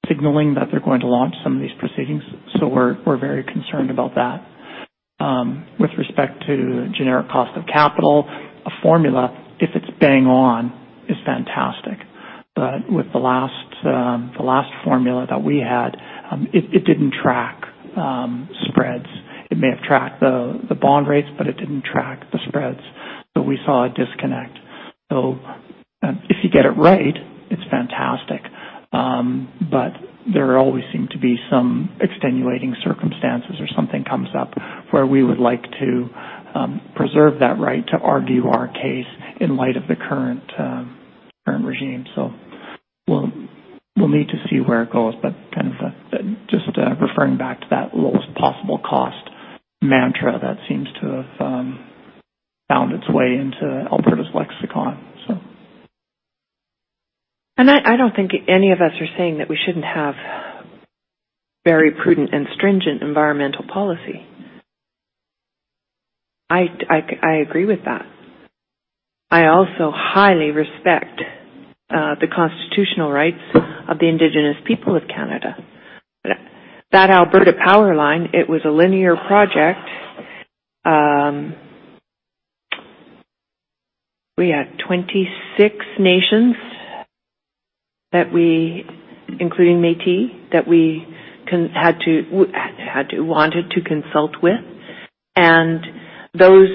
signaling that they're going to launch some of these proceedings. We're very concerned about that. With respect to generic cost of capital, a formula, if it's bang on, is fantastic. With the last formula that we had, it didn't track spreads. It may have tracked the bond rates, but it didn't track the spreads. We saw a disconnect. If you get it right, it's fantastic. There always seem to be some extenuating circumstances or something comes up where we would like to preserve that right to argue our case in light of the current regime. We'll need to see where it goes, but just referring back to that lowest possible cost mantra that seems to have found its way into Alberta's lexicon. I don't think any of us are saying that we shouldn't have very prudent and stringent environmental policy. I agree with that. I also highly respect the constitutional rights of the Indigenous people of Canada. That Alberta PowerLine, it was a linear project. We had 26 nations including Métis, that we wanted to consult with, and those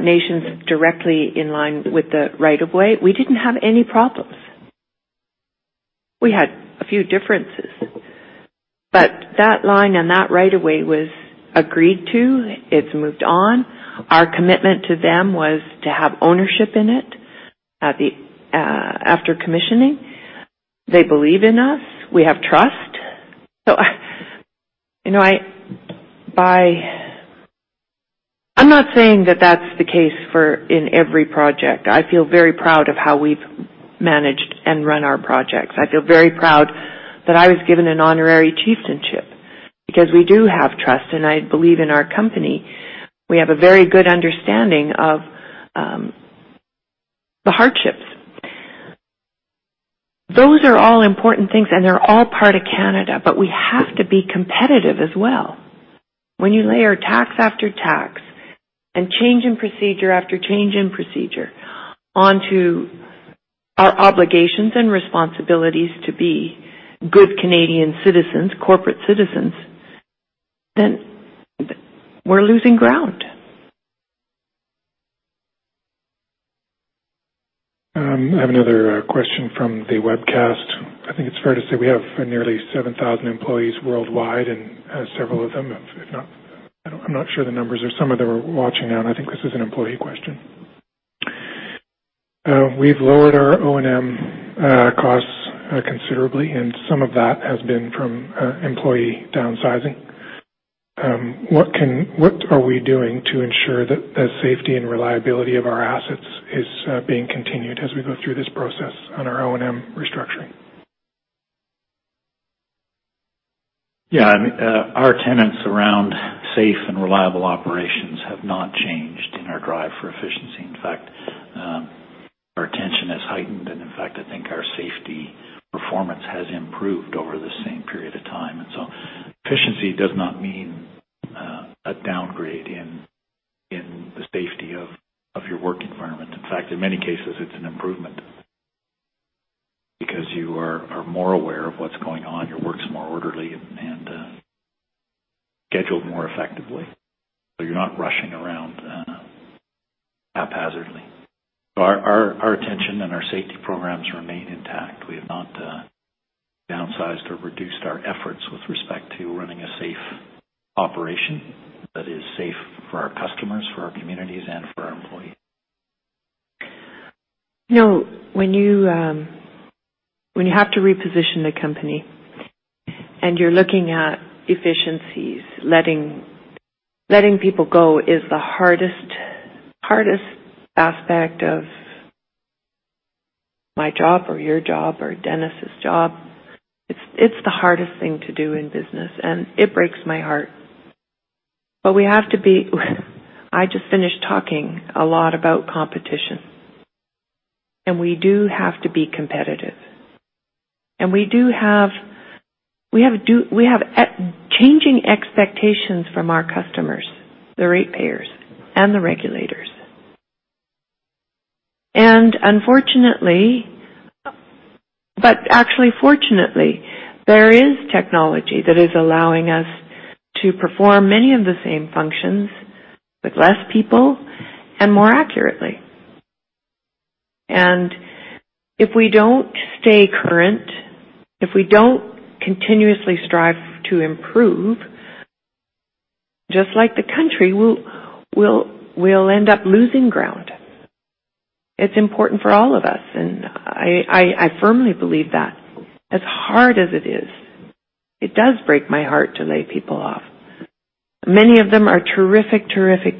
nations directly in line with the right of way, we didn't have any problems. We had a few differences, but that line and that right of way was agreed to. It's moved on. Our commitment to them was to have ownership in it after commissioning. They believe in us. We have trust. I'm not saying that that's the case in every project. I feel very proud of how we've managed and run our projects. I feel very proud that I was given an honorary chieftainship because we do have trust, and I believe in our company. We have a very good understanding of the hardships. Those are all important things, and they are all part of Canada, but we have to be competitive as well. When you layer tax after tax and change in procedure after change in procedure onto our obligations and responsibilities to be good Canadian citizens, corporate citizens, then we are losing ground. I have another question from the webcast. I think it is fair to say we have nearly 7,000 employees worldwide, and several of them, I am not sure the numbers, some of them are watching now, and I think this is an employee question. We have lowered our O&M costs considerably, and some of that has been from employee downsizing. What are we doing to ensure that the safety and reliability of our assets is being continued as we go through this process on our O&M restructuring? Yeah. Our tenets around safe and reliable operations have not changed in our drive for efficiency. In fact, our attention has heightened, and in fact, I think our safety performance has improved over the same period of time. Efficiency does not mean a downgrade in the safety of your work environment. In fact, in many cases, it is an improvement because you are more aware of what is going on, your work is more orderly and scheduled more effectively, so you are not rushing around haphazardly. Our attention and our safety programs remain intact. We have not downsized or reduced our efforts with respect to running a safe operation that is safe for our customers, for our communities, and for our employees. Now, when you have to reposition the company and you are looking at efficiencies, letting people go is the hardest aspect of my job or your job or Dennis's job. It is the hardest thing to do in business, and it breaks my heart. I just finished talking a lot about competition, and we do have to be competitive. We have changing expectations from our customers, the ratepayers, and the regulators. Actually, fortunately, there is technology that is allowing us to perform many of the same functions with less people and more accurately. If we do not stay current, if we do not continuously strive to improve, just like the country, we will end up losing ground. It is important for all of us, and I firmly believe that, as hard as it is, it does break my heart to lay people off. Many of them are terrific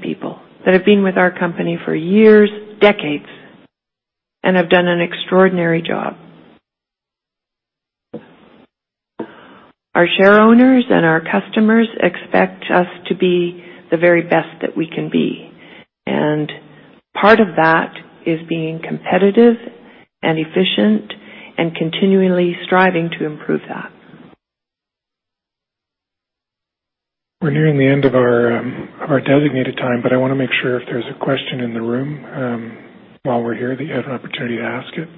people that have been with our company for years, decades, and have done an extraordinary job. Our shareowners and our customers expect us to be the very best that we can be. Part of that is being competitive and efficient and continually striving to improve that. We're nearing the end of our designated time, I want to make sure if there's a question in the room while we're here that you have an opportunity to ask it.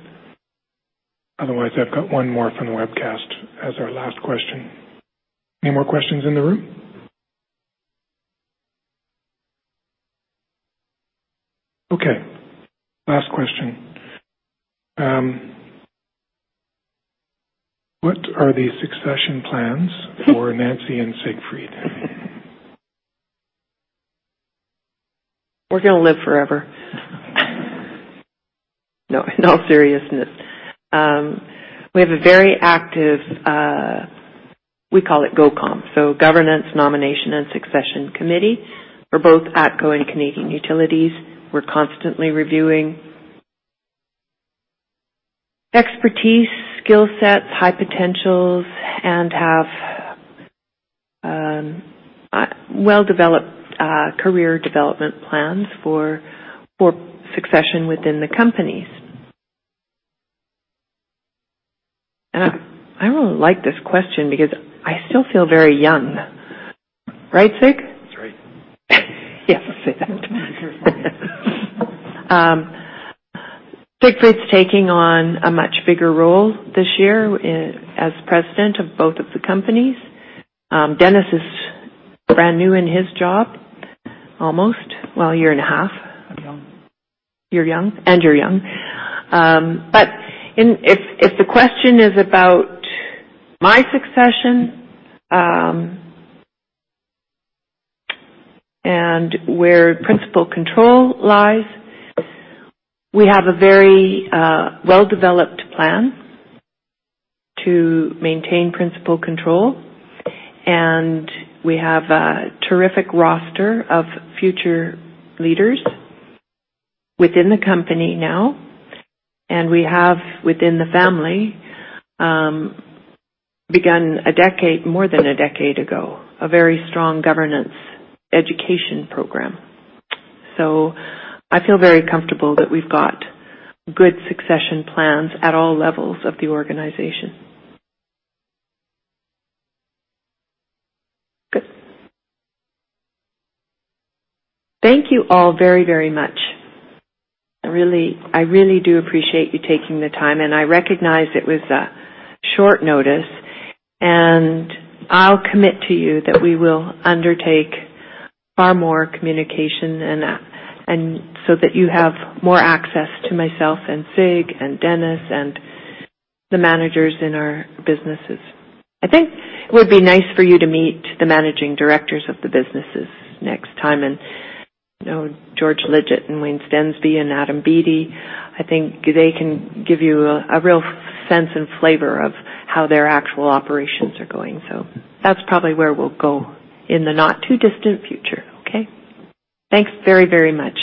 Otherwise, I've got one more from the webcast as our last question. Any more questions in the room? Okay, last question. What are the succession plans for Nancy and Siegfried? We're going to live forever. No, in all seriousness, we have a very active, we call it GOCOM, so Governance Nomination and Succession Committee for both ATCO and Canadian Utilities. We're constantly reviewing expertise, skill sets, high potentials. Have well-developed career development plans for succession within the companies. I really like this question because I still feel very young. Right, Sig? That's right. Yes. Siegfried's taking on a much bigger role this year as president of both of the companies. Dennis is brand new in his job, almost. Well, a year and a half. I'm young. You're young, and you're young. If the question is about my succession and where principal control lies, we have a very well-developed plan to maintain principal control. We have a terrific roster of future leaders within the company now. We have, within the family, begun more than a decade ago, a very strong governance education program. I feel very comfortable that we've got good succession plans at all levels of the organization. Good. Thank you all very much. I really do appreciate you taking the time. I recognize it was short notice. I'll commit to you that we will undertake far more communication so that you have more access to myself and Sig and Dennis and the managers in our businesses. I think it would be nice for you to meet the managing directors of the businesses next time, George Lidgett and Wayne Stensby and Adam Beattie. I think they can give you a real sense and flavor of how their actual operations are going. That's probably where we'll go in the not too distant future, okay? Thanks very much